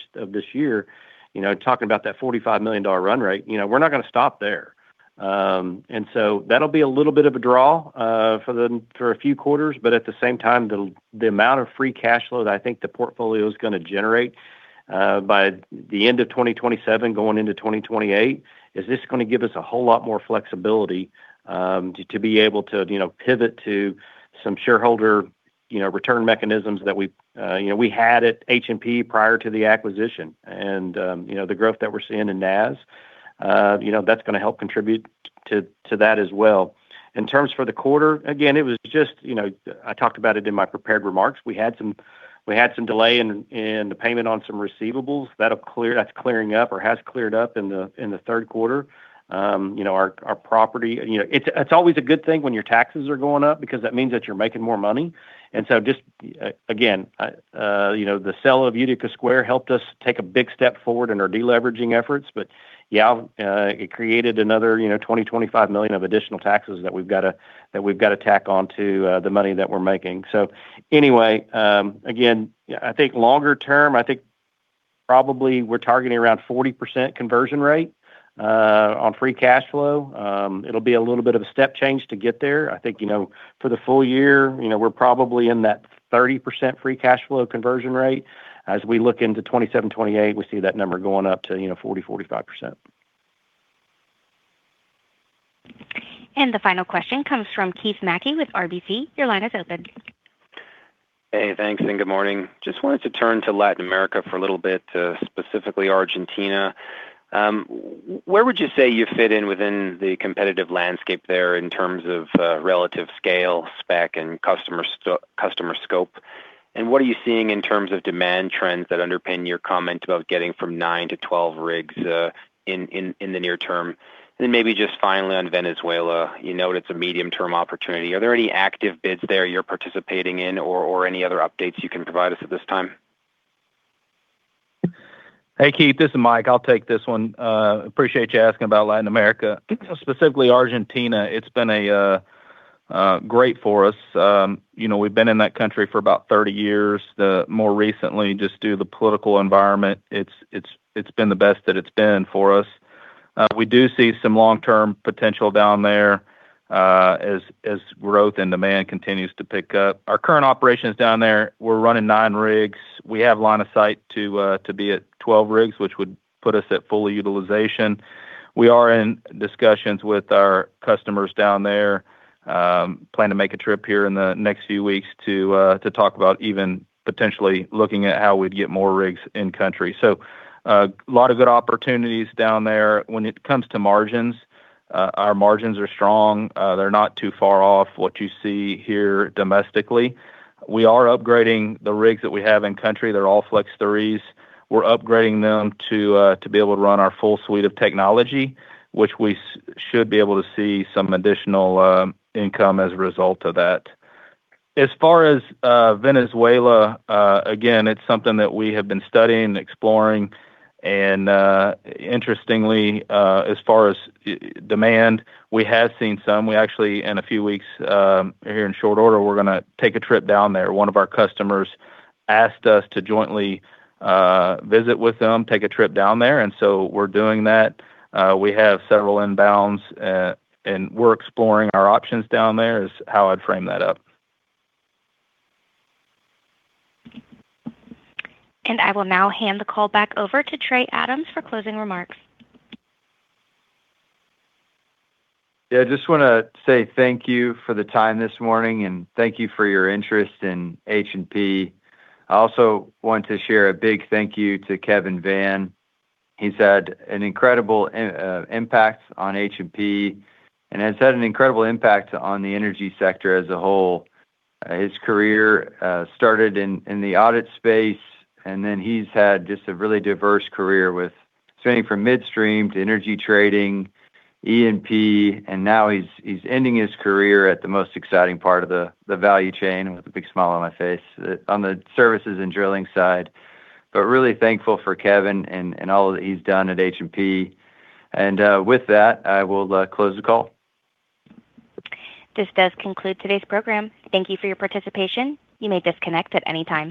year, you know, talking about that $45 million run rate, you know, we're not gonna stop there. That'll be a little bit of a draw for a few quarters, but at the same time, the amount of free cash flow that I think the portfolio's gonna generate by the end of 2027 going into 2028, is this gonna give us a whole lot more flexibility to be able to, you know, pivot to some shareholder, you know, return mechanisms that we had at H&P prior to the acquisition. The growth that we're seeing in NAS, you know, that's gonna help contribute to that as well. In terms for the quarter, again, it was just, you know, I talked about it in my prepared remarks. We had some delay in the payment on some receivables. That's clearing up or has cleared up in the third quarter. You know, our property—you know, it's always a good thing when your taxes are going up because that means that you're making more money. Just, you know, the sale of Utica Square helped us take a big step forward in our de-leveraging efforts. Yeah, it created another, you know, $20 million-$25 million of additional taxes that we've gotta tack on to the money that we're making. Again, yeah, I think longer term, I think probably we're targeting around 40% conversion rate on free cash flow. It'll be a little bit of a step change to get there. I think, you know, for the full year, you know, we're probably in that 30% free cash flow conversion rate. We look into 2027, 2028, we see that number going up to, you know, 40%-45%. The final question comes from Keith Mackey with RBC. Your line is open. Hey, thanks, and good morning. Just wanted to turn to Latin America for a little bit, specifically Argentina. Where would you say you fit in within the competitive landscape there in terms of relative scale, spec, and customer scope? What are you seeing in terms of demand trends that underpin your comment about getting from 9-12 rigs in the near term? Maybe just finally on Venezuela, you know, it's a medium-term opportunity. Are there any active bids there you're participating in or any other updates you can provide us at this time? Hey, Keith, this is Mike. I'll take this one. Appreciate you asking about Latin America, specifically Argentina. It's been great for us. You know, we've been in that country for about 30 years. More recently, just due to the political environment, it's been the best that it's been for us. We do see some long-term potential down there as growth and demand continues to pick up. Our current operations down there, we're running nine rigs. We have line of sight to be at 12 rigs, which would put us at full utilization. We are in discussions with our customers down there, plan to make a trip here in the next few weeks to talk about even potentially looking at how we'd get more rigs in country. A lot of good opportunities down there. When it comes to margins, our margins are strong. They're not too far off what you see here domestically. We are upgrading the rigs that we have in country. They're all Flex3s. We're upgrading them to be able to run our full suite of technology, which we should be able to see some additional income as a result of that. As far as Venezuela, again, it's something that we have been studying and exploring. Interestingly, as far as demand, we have seen some. We actually in a few weeks, here in short order, we're gonna take a trip down there. One of our customers asked us to jointly visit with them, take a trip down there, and so we're doing that. We have several inbounds, and we're exploring our options down there is how I'd frame that up. I will now hand the call back over to Trey Adams for closing remarks. Yeah, I just want to say thank you for the time this morning. Thank you for your interest in H&P. I also want to share a big thank you to Kevin Vann. He's had an incredible impact on H&P and has had an incredible impact on the energy sector as a whole. His career started in the audit space. Then he's had just a really diverse career with swinging from midstream to energy trading, E&P. Now he's ending his career at the most exciting part of the value chain, with a big smile on my face, on the services and drilling side. Really thankful for Kevin and all that he's done at H&P. With that, I will close the call. This does conclude today's program. Thank you for your participation. You may disconnect at any time.